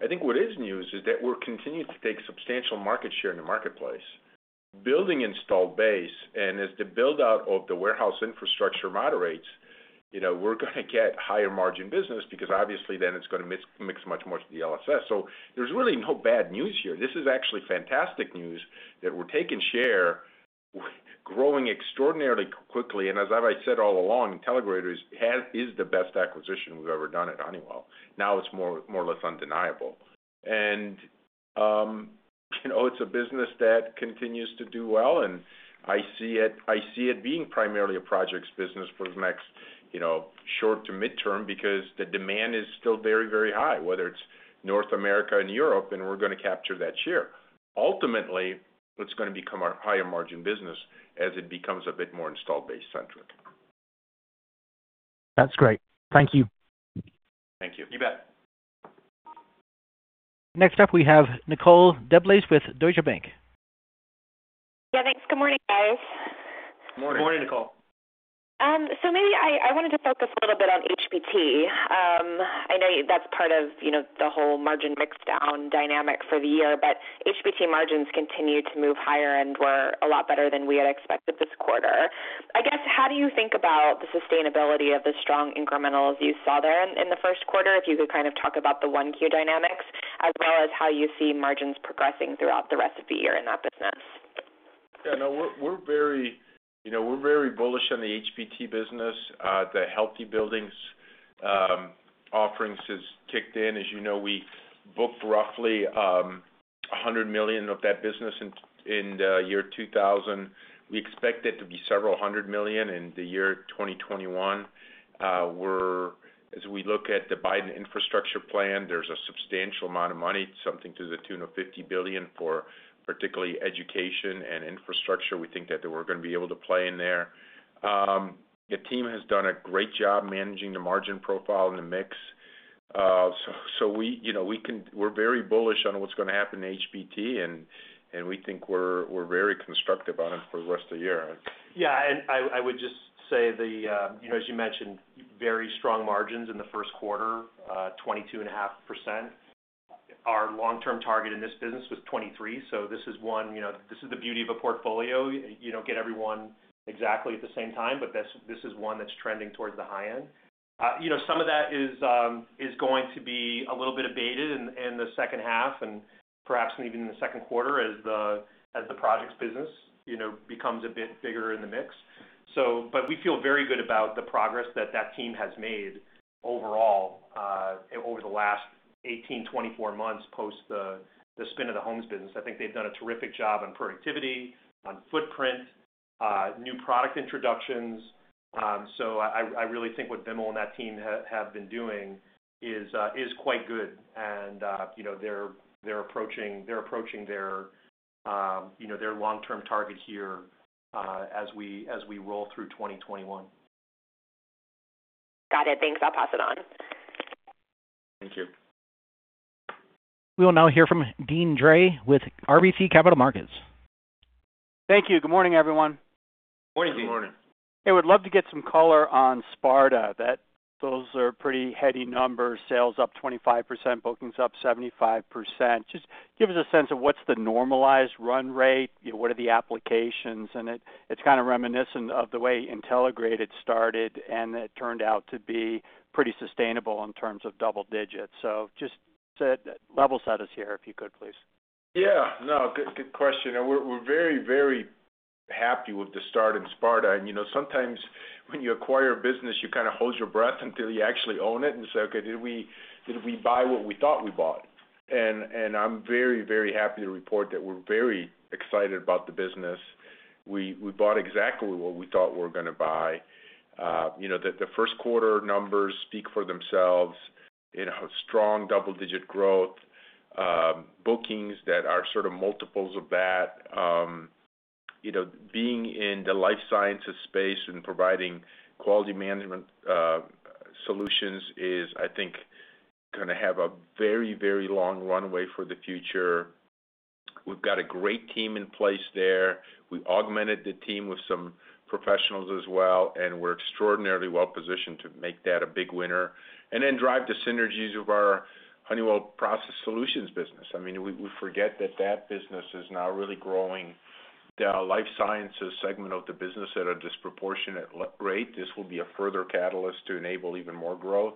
C: I think what is news is that we're continuing to take substantial market share in the marketplace, building install base. As the build-out of the warehouse infrastructure moderates, we're going to get higher margin business because obviously then it's going to mix much more to the LSS. There's really no bad news here. This is actually fantastic news that we're taking share, growing extraordinarily quickly, and as I said all along, Intelligrated is the best acquisition we've ever done at Honeywell. Now it's more or less undeniable. It's a business that continues to do well, and I see it being primarily a projects business for the next short to midterm because the demand is still very, very high, whether it's North America and Europe. We're going to capture that share. Ultimately, it's going to become our higher margin business as it becomes a bit more install-base centric.
G: That's great. Thank you.
C: Thank you.
D: You bet.
A: Next up, we have Nicole DeBlase with Deutsche Bank.
H: Yeah, thanks. Good morning, guys.
C: Good morning.
D: Good morning, Nicole.
H: Maybe I wanted to focus a little bit on HBT. I know that's part of the whole margin mix down dynamic for the year, but HBT margins continued to move higher and were a lot better than we had expected this quarter. How do you think about the sustainability of the strong incrementals you saw there in the first quarter, if you could kind of talk about the 1Q dynamics as well as how you see margins progressing throughout the rest of the year in that business?
C: Yeah, we're very bullish on the HBT business. The Healthy Buildings offerings has kicked in. As you know, we booked roughly 100 million of that business in the year 2000. We expect it to be several hundred million in the year 2021. As we look at the Biden infrastructure plan, there's a substantial amount of money, something to the tune of $50 billion for particularly education and infrastructure. We think that we're going to be able to play in there. The team has done a great job managing the margin profile and the mix. We're very bullish on what's going to happen to HBT, and we think we're very constructive on it for the rest of the year.
D: Yeah. I would just say, as you mentioned, very strong margins in the first quarter, 22.5%. Our long-term target in this business was 23%. This is the beauty of a portfolio. You don't get everyone exactly at the same time. This is one that's trending towards the high end. Some of that is going to be a little bit abated in the second half and perhaps even in the second quarter as the projects business becomes a bit bigger in the mix. We feel very good about the progress that that team has made overall over the last 18, 24 months post the spin of the homes business. I think they've done a terrific job on productivity, on footprint, new product introductions. I really think what Vimal and that team have been doing is quite good. They're approaching their long-term target here as we roll through 2021.
H: Got it. Thanks, I'll pass it on.
C: Thank you.
A: We will now hear from Deane Dray with RBC Capital Markets.
I: Thank you. Good morning, everyone.
C: Morning.
D: Good morning.
I: Hey, would love to get some color on Sparta. Those are pretty heady numbers, sales up 25%, bookings up 75%. Just give us a sense of what's the normalized run rate, what are the applications, and it's kind of reminiscent of the way Intelligrated started, and it turned out to be pretty sustainable in terms of double digits. Just level set us here if you could, please.
C: Yeah, no, good question. We're very happy with the start in Sparta. Sometimes when you acquire a business, you kind of hold your breath until you actually own it and say, "Okay, did we buy what we thought we bought?" I'm very happy to report that we're very excited about the business. We bought exactly what we thought we were going to buy. The first quarter numbers speak for themselves, strong double-digit growth, bookings that are sort of multiples of that. Being in the life sciences space and providing quality management solutions is, I think, going to have a very long runway for the future. We've got a great team in place there. We augmented the team with some professionals as well, and we're extraordinarily well-positioned to make that a big winner, and then drive the synergies of our Honeywell Process Solutions business. We forget that that business is now really growing the life sciences segment of the business at a disproportionate rate. This will be a further catalyst to enable even more growth.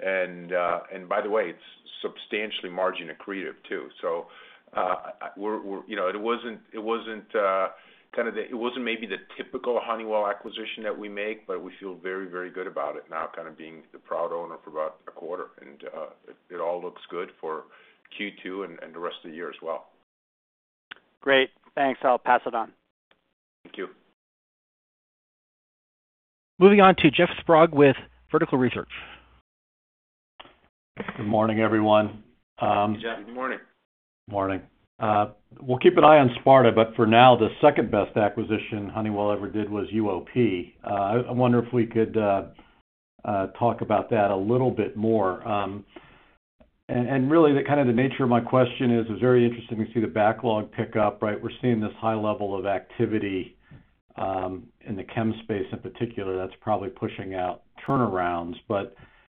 C: By the way, it's substantially margin accretive, too. It wasn't maybe the typical Honeywell acquisition that we make, but we feel very good about it now, kind of being the proud owner for about a quarter. It all looks good for Q2 and the rest of the year as well.
I: Great. Thanks. I'll pass it on.
C: Thank you.
A: Moving on to Jeff Sprague with Vertical Research.
J: Good morning, everyone.
C: Hey, Jeff. Good morning.
D: Good morning.
J: Morning. We'll keep an eye on Sparta, but for now, the second-best acquisition Honeywell ever did was UOP. I wonder if we could talk about that a little bit more. Really, the kind of the nature of my question is, it was very interesting to see the backlog pick up, right? We're seeing this high level of activity in the chem space in particular, that's probably pushing out turnarounds.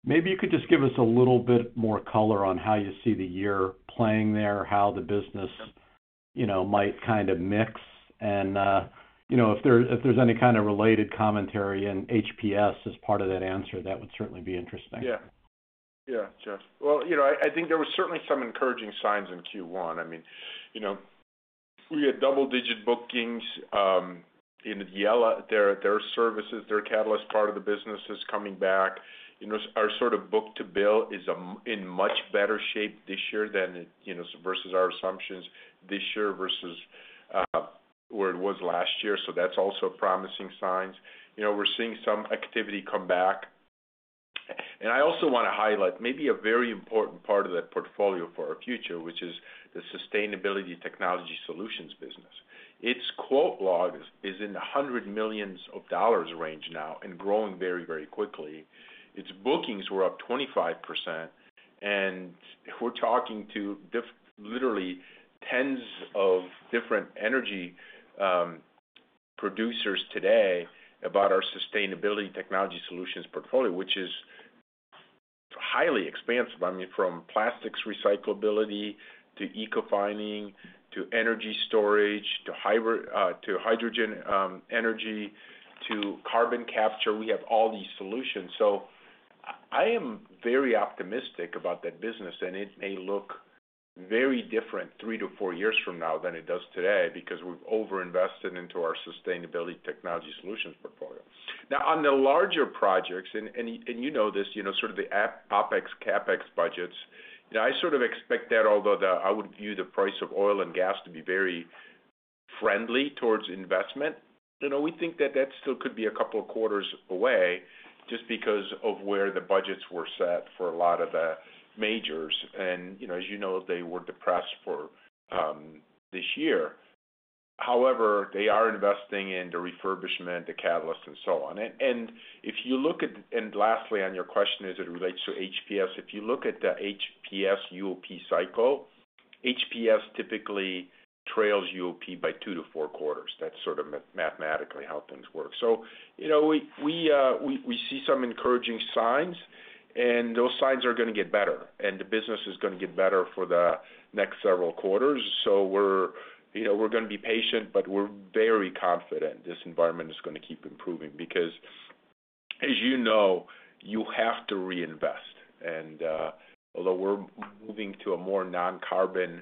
J: Maybe you could just give us a little bit more color on how you see the year playing there, how the business might kind of mix and if there's any kind of related commentary in HPS as part of that answer, that would certainly be interesting.
C: Yeah, Jeff. Well, I think there was certainly some encouraging signs in Q1. We had double-digit bookings in UOP. Their services, their catalyst part of the business is coming back. Our sort of book-to-bill is in much better shape this year versus our assumptions this year versus where it was last year. That's also promising signs. We're seeing some activity come back. I also want to highlight maybe a very important part of that portfolio for our future, which is the sustainability technology solutions business. Its quote log is in the $100 million range now and growing very quickly. Its bookings were up 25%, and we're talking to literally tens of different energy producers today about our sustainability technology solutions portfolio, which is highly expansive. From plastics recyclability to Ecofining, to energy storage, to hydrogen energy, to carbon capture, we have all these solutions. I am very optimistic about that business, and it may look very different three to four years from now than it does today because we've over-invested into our sustainability technology solutions portfolio. On the larger projects, and you know this, sort of the OpEx, CapEx budgets. I sort of expect that, although I would view the price of oil and gas to be very friendly towards investment. We think that that still could be a couple of quarters away just because of where the budgets were set for a lot of the majors. As you know, they were depressed for this year. However, they are investing in the refurbishment, the catalyst, and so on. Lastly, on your question as it relates to HPS, if you look at the HPS UOP cycle, HPS typically trails UOP by two to four quarters. That's sort of mathematically how things work. We see some encouraging signs, and those signs are going to get better, and the business is going to get better for the next several quarters. We're going to be patient, but we're very confident this environment is going to keep improving because, as you know, you have to reinvest. Although we're moving to a more non-carbon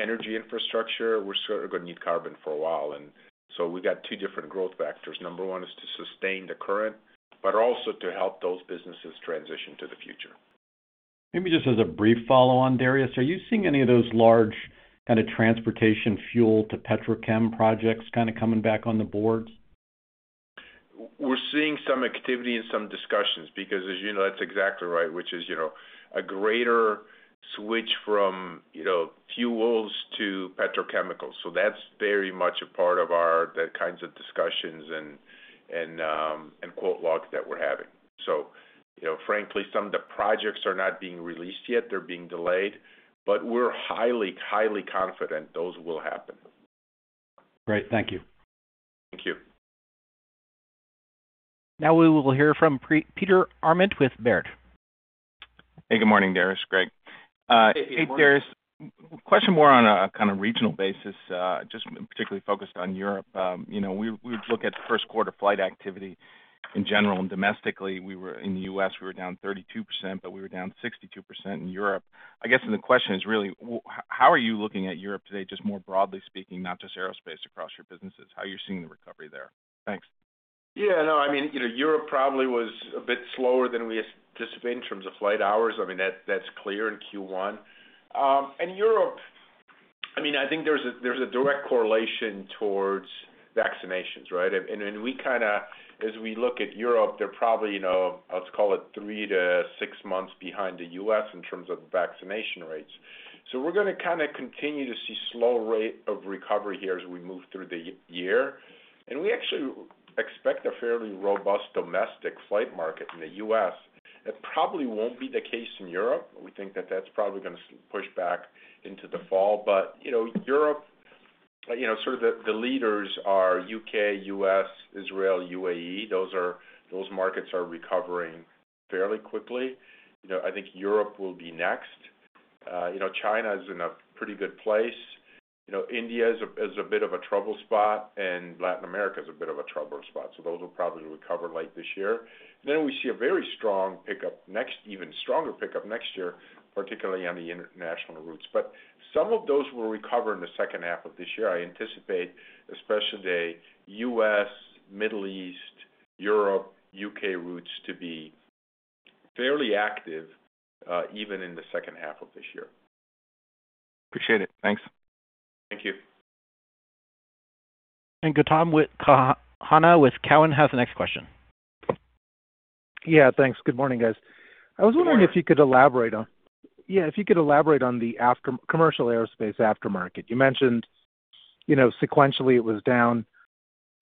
C: energy infrastructure, we're still going to need carbon for a while, and so we've got two different growth factors. Number one is to sustain the current, but also to help those businesses transition to the future.
J: Maybe just as a brief follow-on, Darius, are you seeing any of those large kind of transportation fuel to petrochem projects kind of coming back on the boards?
C: We're seeing some activity and some discussions because as you know, that's exactly right, which is a greater switch from fuels to petrochemicals. That's very much a part of the kinds of discussions and quote logs that we're having. Frankly, some of the projects are not being released yet. They're being delayed, but we're highly confident those will happen.
J: Great. Thank you.
C: Thank you.
A: We will hear from Peter Arment with Baird.
K: Hey, good morning, Darius, Greg.
C: Good morning.
K: Hey, Darius. Question more on a kind of regional basis, just particularly focused on Europe. We would look at first quarter flight activity in general and domestically, in the U.S., we were down 32%, but we were down 62% in Europe. I guess, the question is really, how are you looking at Europe today, just more broadly speaking, not just Aerospace across your businesses, how are you seeing the recovery there? Thanks.
C: Yeah, no, Europe probably was a bit slower than we anticipated in terms of flight hours. That's clear in Q1. Europe, I think there's a direct correlation towards vaccinations, right? As we look at Europe, they're probably, let's call it 3-6 months behind the U.S. in terms of vaccination rates. We're going to kind of continue to see slow rate of recovery here as we move through the year. We actually expect a fairly robust domestic flight market in the U.S. That probably won't be the case in Europe. We think that that's probably going to push back into the fall. Europe, sort of the leaders are U.K., U.S., Israel, UAE. Those markets are recovering fairly quickly. I think Europe will be next. China is in a pretty good place. India is a bit of a trouble spot, and Latin America is a bit of a trouble spot. Those will probably recover late this year. We see a very strong pickup next, even stronger pickup next year, particularly on the international routes. Some of those will recover in the second half of this year. I anticipate especially the U.S., Middle East, Europe, U.K. routes to be fairly active, even in the second half of this year.
K: Appreciate it. Thanks.
C: Thank you.
A: Gautam Khanna with Cowen has the next question.
L: Yeah, thanks. Good morning, guys.
C: Morning.
L: I was wondering if you could elaborate on the commercial aerospace aftermarket. You mentioned sequentially it was down.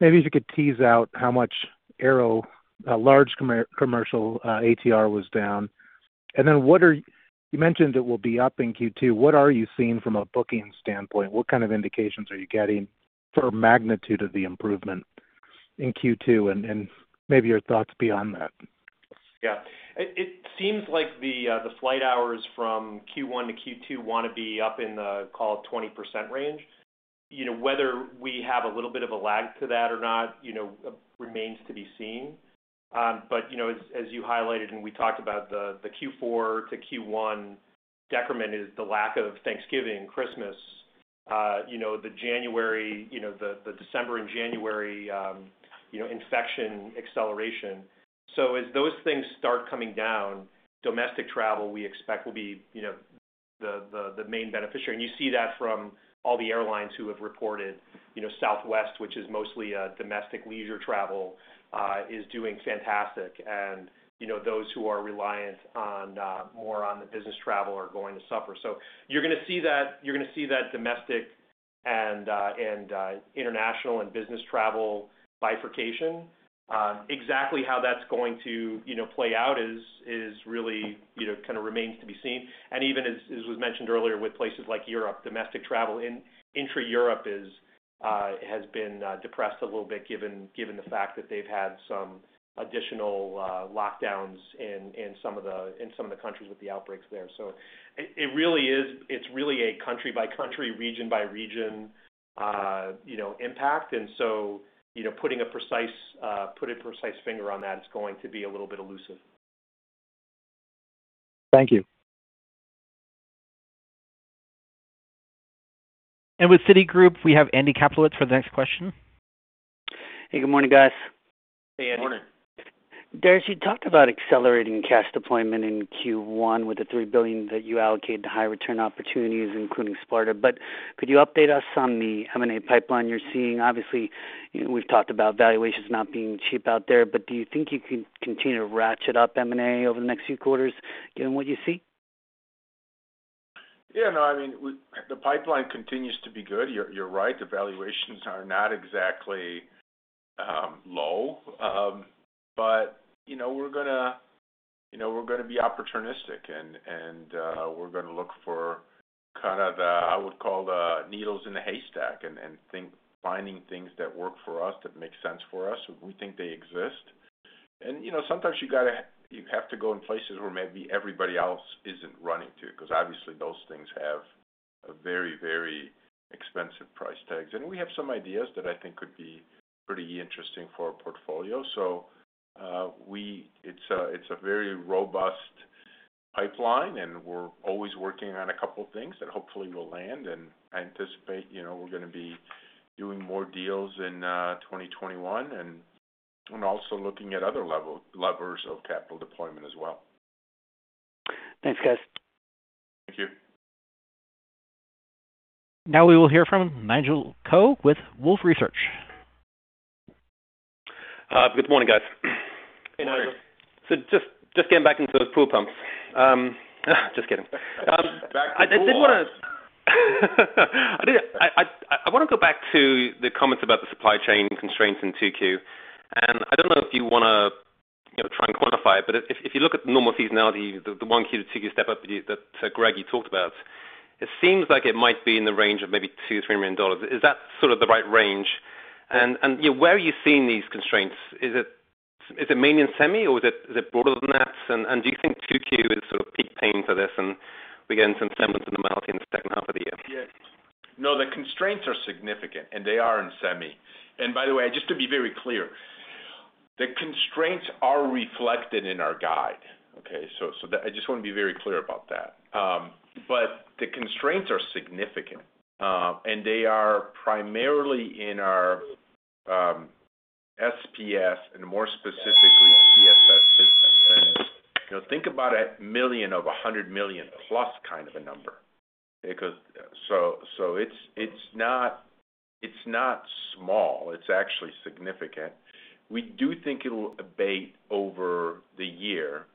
L: Maybe if you could tease out how much aero, large commercial ATR was down. You mentioned it will be up in Q2. What are you seeing from a booking standpoint? What kind of indications are you getting for magnitude of the improvement in Q2, and maybe your thoughts beyond that?
C: Yeah. It seems like the flight hours from Q1 to Q2 want to be up in the, call it, 20% range. Whether we have a little bit of a lag to that or not remains to be seen. As you highlighted and we talked about the Q4 to Q1 decrement is the lack of Thanksgiving, Christmas, the December and January infection acceleration. As those things start coming down, domestic travel, we expect, will be the main beneficiary. You see that from all the airlines who have reported. Southwest, which is mostly domestic leisure travel, is doing fantastic, and those who are reliant more on the business travel are going to suffer. You're going to see that domestic and international and business travel bifurcation. Exactly how that's going to play out kind of remains to be seen. Even as was mentioned earlier, with places like Europe, domestic travel intra Europe has been depressed a little bit given the fact that they've had some additional lockdowns in some of the countries with the outbreaks there. It's really a country-by-country, region-by-region impact. Putting a precise finger on that is going to be a little bit elusive.
L: Thank you.
A: With Citigroup, we have Andrew Kaplowitz for the next question.
M: Hey, good morning, guys.
D: Hey, Andy.
C: Morning.
M: Darius, you talked about accelerating cash deployment in Q1 with the $3 billion that you allocated to high return opportunities, including Sparta. Could you update us on the M&A pipeline you're seeing? Obviously, we've talked about valuations not being cheap out there. Do you think you can continue to ratchet up M&A over the next few quarters, given what you see?
C: Yeah, no, I mean, the pipeline continues to be good. You're right, the valuations are not exactly low. We're going to be opportunistic, and we're going to look for kind of the, I would call the needles in the haystack, and think finding things that work for us, that make sense for us, if we think they exist. Sometimes you have to go in places where maybe everybody else isn't running to, because obviously those things have very, very expensive price tags. We have some ideas that I think could be pretty interesting for our portfolio. It's a very robust pipeline, and we're always working on a couple things that hopefully will land, and I anticipate we're going to be doing more deals in 2021, and also looking at other levers of capital deployment as well.
M: Thanks, guys.
C: Thank you.
A: Now we will hear from Nigel Coe with Wolfe Research.
N: Good morning, guys.
C: Hey, Nigel.
N: Just getting back into those pool pumps. Just kidding.
C: Back to the pool pumps.
N: I want to go back to the comments about the supply chain constraints in Q2. I don't know if you want to try and quantify it, but if you look at the normal seasonality, the 1Q to Q2 step-up that, Greg, you talked about, it seems like it might be in the range of maybe $2 million or $3 million. Is that sort of the right range? Where are you seeing these constraints? Is it mainly in semi, or is it broader than that? Do you think Q2 is sort of peak pain for this and we're getting some semblance of normality in the second half of the year?
C: No, the constraints are significant, and they are in semi. By the way, just to be very clear, the constraints are reflected in our guide, okay? I just want to be very clear about that. The constraints are significant. They are primarily in our SPS and more specifically CSS business. Think about $1 million of $100 million+ kind of a number. It's not small. It's actually significant. We do think it'll abate over the year.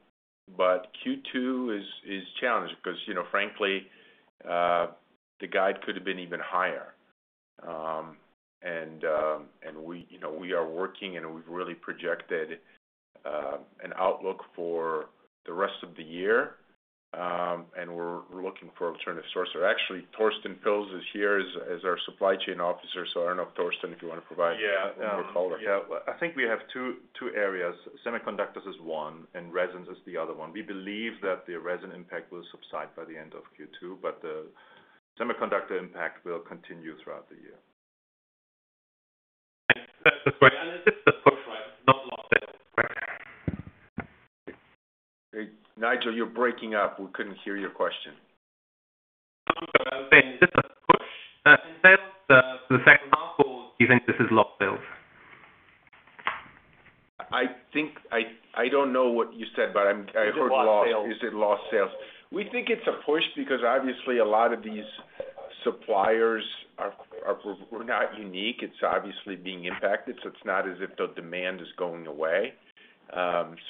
C: Q2 is challenged because, frankly, the guide could have been even higher. We are working, and we've really projected an outlook for the rest of the year. We're looking for alternative sources. Actually, Torsten Pilz is here as our supply chain officer, so I don't know if, Torsten, if you want to provide.
O: Yeah
C: a little color.
O: Yeah. I think we have two areas. Semiconductors is one and resins is the other one. We believe that the resin impact will subside by the end of Q2, but the semiconductor impact will continue throughout the year.
N: Is this a push, right? Not lost sales, correct?
C: Hey, Nigel, you're breaking up. We couldn't hear your question.
N: Oh, sorry. I'm saying is this a push in sales for the second half, or do you think this is lost sales?
C: I don't know what you said, but I heard lost.
N: Is it lost sales?
C: Is it lost sales? We think it's a push because obviously a lot of these suppliers, we're not unique. It's obviously being impacted, so it's not as if the demand is going away.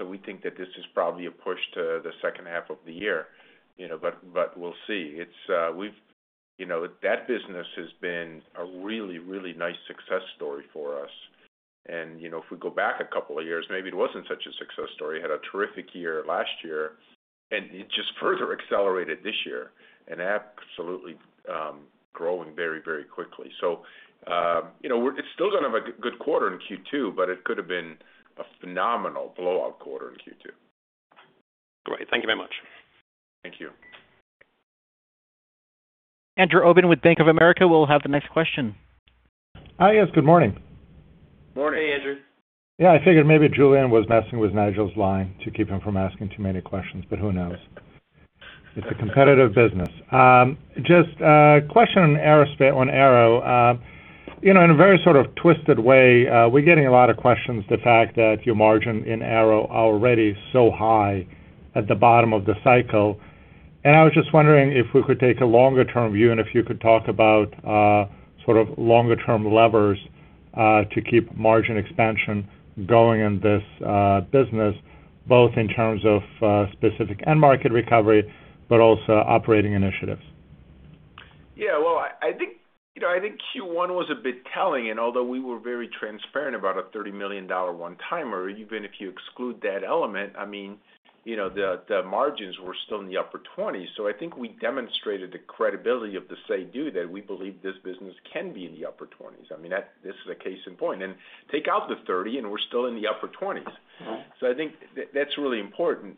C: We think that this is probably a push to the second half of the year. We'll see. That business has been a really nice success story for us. If we go back a couple of years, maybe it wasn't such a success story. Had a terrific year last year, and it just further accelerated this year, and absolutely growing very quickly. It's still going to have a good quarter in Q2, but it could've been a phenomenal blowout quarter in Q2.
N: Great. Thank you very much.
C: Thank you.
A: Andrew Obin with Bank of America will have the next question.
P: Hi, guys. Good morning.
C: Morning.
D: Hey, Andrew.
P: Yeah, I figured maybe Julian was messing with Nigel's line to keep him from asking too many questions, but who knows? It's a competitive business. Just a question on Aero. In a very sort of twisted way, we're getting a lot of questions, the fact that your margin in Aero already is so high at the bottom of the cycle. I was just wondering if we could take a longer-term view and if you could talk about sort of longer-term levers to keep margin expansion going in this business, both in terms of specific end market recovery, but also operating initiatives.
C: Yeah. Well, I think Q1 was a bit telling, and although we were very transparent about a $30 million one-timer, even if you exclude that element, I mean, the margins were still in the upper 20s, so I think we demonstrated the credibility of the say/do, that we believe this business can be in the upper 20s. I mean, this is a case in point. Take out the 30, and we're still in the upper 20s.
P: Right.
C: I think that's really important.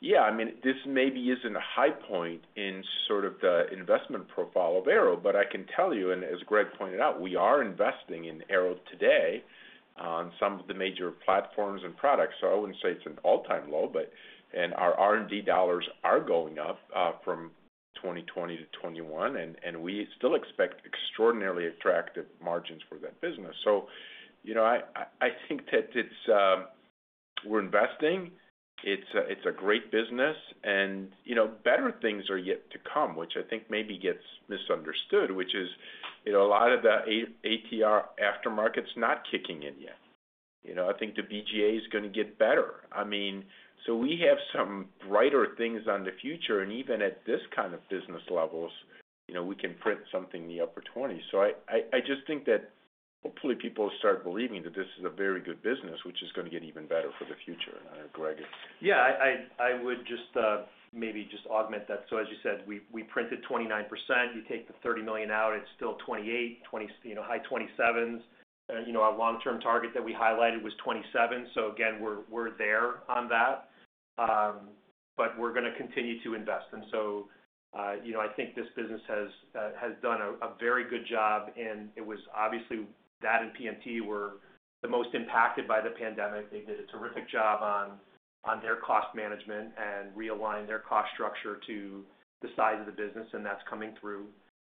C: Yeah, I mean, this maybe isn't a high point in sort of the investment profile of Aero, but I can tell you, and as Greg pointed out, we are investing in Aero today on some of the major platforms and products. I wouldn't say it's an all-time low, and our R&D dollars are going up from 2020 to 2021, and we still expect extraordinarily attractive margins for that business. I think that we're investing. It's a great business, and better things are yet to come, which I think maybe gets misunderstood, which is a lot of the ATR aftermarket's not kicking in yet. I think the BGA is going to get better. We have some brighter things on the future, and even at this kind of business levels, we can print something in the upper 20s. I just think that hopefully people start believing that this is a very good business, which is going to get even better for the future. Greg?
D: Yeah, I would just maybe augment that. As you said, we printed 29%. You take the $30 million out, it's still 28%, high 27s%. Our long-term target that we highlighted was $27 million. Again, we're there on that. We're going to continue to invest. I think this business has done a very good job, and it was obviously that and PMT were the most impacted by the pandemic. They did a terrific job on their cost management and realigning their cost structure to the size of the business, and that's coming through.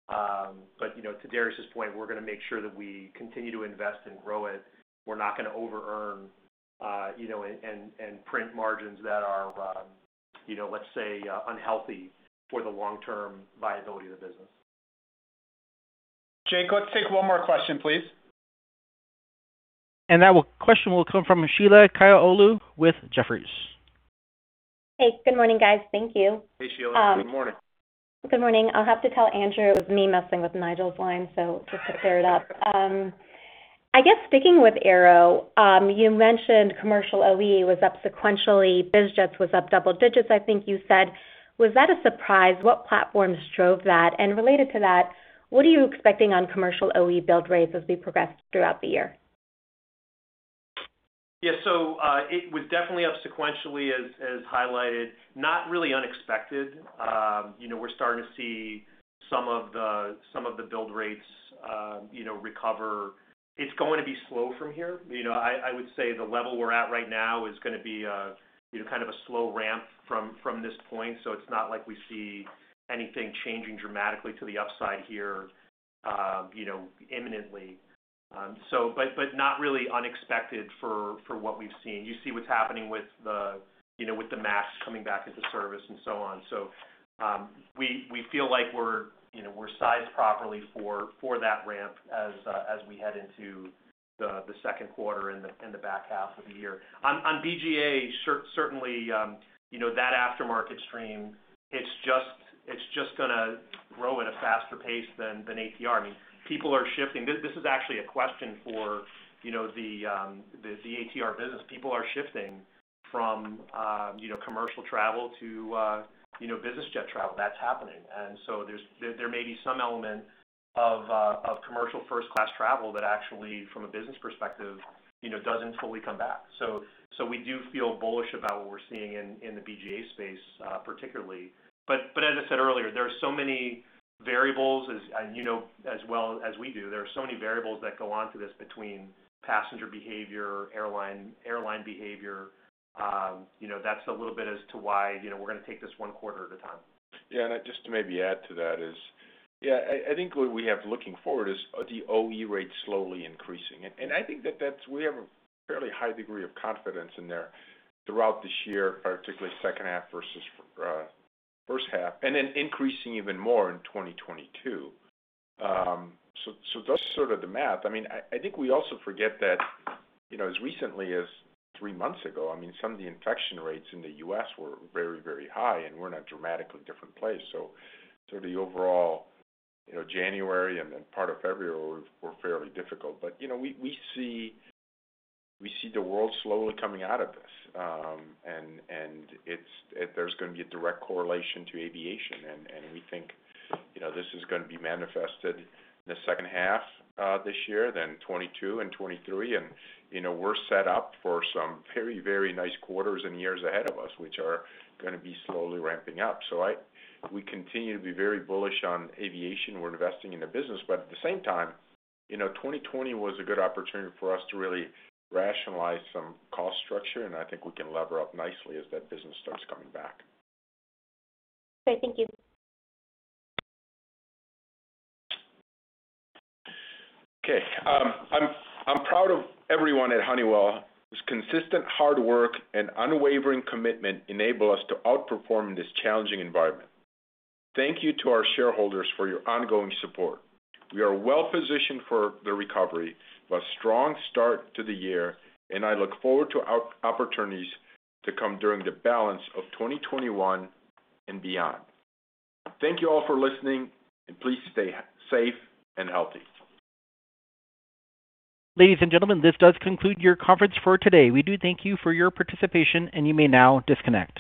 D: To Darius's point, we're going to make sure that we continue to invest and grow it. We're not going to over-earn, and print margins that are, let's say, unhealthy for the long-term viability of the business.
C: Jake, let's take one more question, please.
A: That question will come from Sheila Kahyaoglu with Jefferies.
Q: Hey, good morning, guys. Thank you.
D: Hey, Sheila.
C: Good morning.
Q: Good morning. I'll have to tell Andrew it was me messing with Nigel's line, just to clear it up. I guess sticking with Aero, you mentioned commercial OE was up sequentially, biz jets was up double digits, I think you said. Was that a surprise? What platforms drove that? Related to that, what are you expecting on commercial OE build rates as we progress throughout the year?
D: Yeah, it was definitely up sequentially as highlighted, not really unexpected. We're starting to see some of the build rates recover. It's going to be slow from here. I would say the level we're at right now is going to be kind of a slow ramp from this point. It's not like we see anything changing dramatically to the upside here imminently. Not really unexpected for what we've seen. You see what's happening with the MAX coming back into service and so on. We feel like we're sized properly for that ramp as we head into the second quarter and the back half of the year. On BGA, certainly, that aftermarket stream, it's just going to grow at a faster pace than ATR. People are shifting. This is actually a question for the ATR business. People are shifting from commercial travel to business jet travel. That's happening. There may be some element of commercial first class travel that actually from a business perspective doesn't fully come back. We do feel bullish about what we're seeing in the BGA space particularly. As I said earlier, there are so many variables, and you know as well as we do, there are so many variables that go onto this between passenger behavior, airline behavior. That's a little bit as to why we're going to take this one quarter at a time.
C: Just to maybe add to that is, I think what we have looking forward is the OE rate slowly increasing. I think that we have a fairly high degree of confidence in there throughout this year, particularly second half versus first half, and then increasing even more in 2022. That's sort of the math. I think we also forget that, as recently as three months ago, some of the infection rates in the U.S. were very, very high, and we're in a dramatically different place. The overall January and part of February were fairly difficult. We see the world slowly coming out of this. There's going to be a direct correlation to aviation, and we think this is going to be manifested in the second half of this year, then 2022 and 2023. We're set up for some very, very nice quarters and years ahead of us, which are going to be slowly ramping up. We continue to be very bullish on aviation. We're investing in the business. At the same time, 2020 was a good opportunity for us to really rationalize some cost structure. I think we can lever up nicely as that business starts coming back.
Q: Okay. Thank you.
C: I'm proud of everyone at Honeywell, whose consistent hard work and unwavering commitment enable us to outperform in this challenging environment. Thank you to our shareholders for your ongoing support. We are well-positioned for the recovery, a strong start to the year, and I look forward to opportunities to come during the balance of 2021 and beyond. Thank you all for listening, and please stay safe and healthy.
A: Ladies and gentlemen, this does conclude your conference for today. We do thank you for your participation, and you may now disconnect.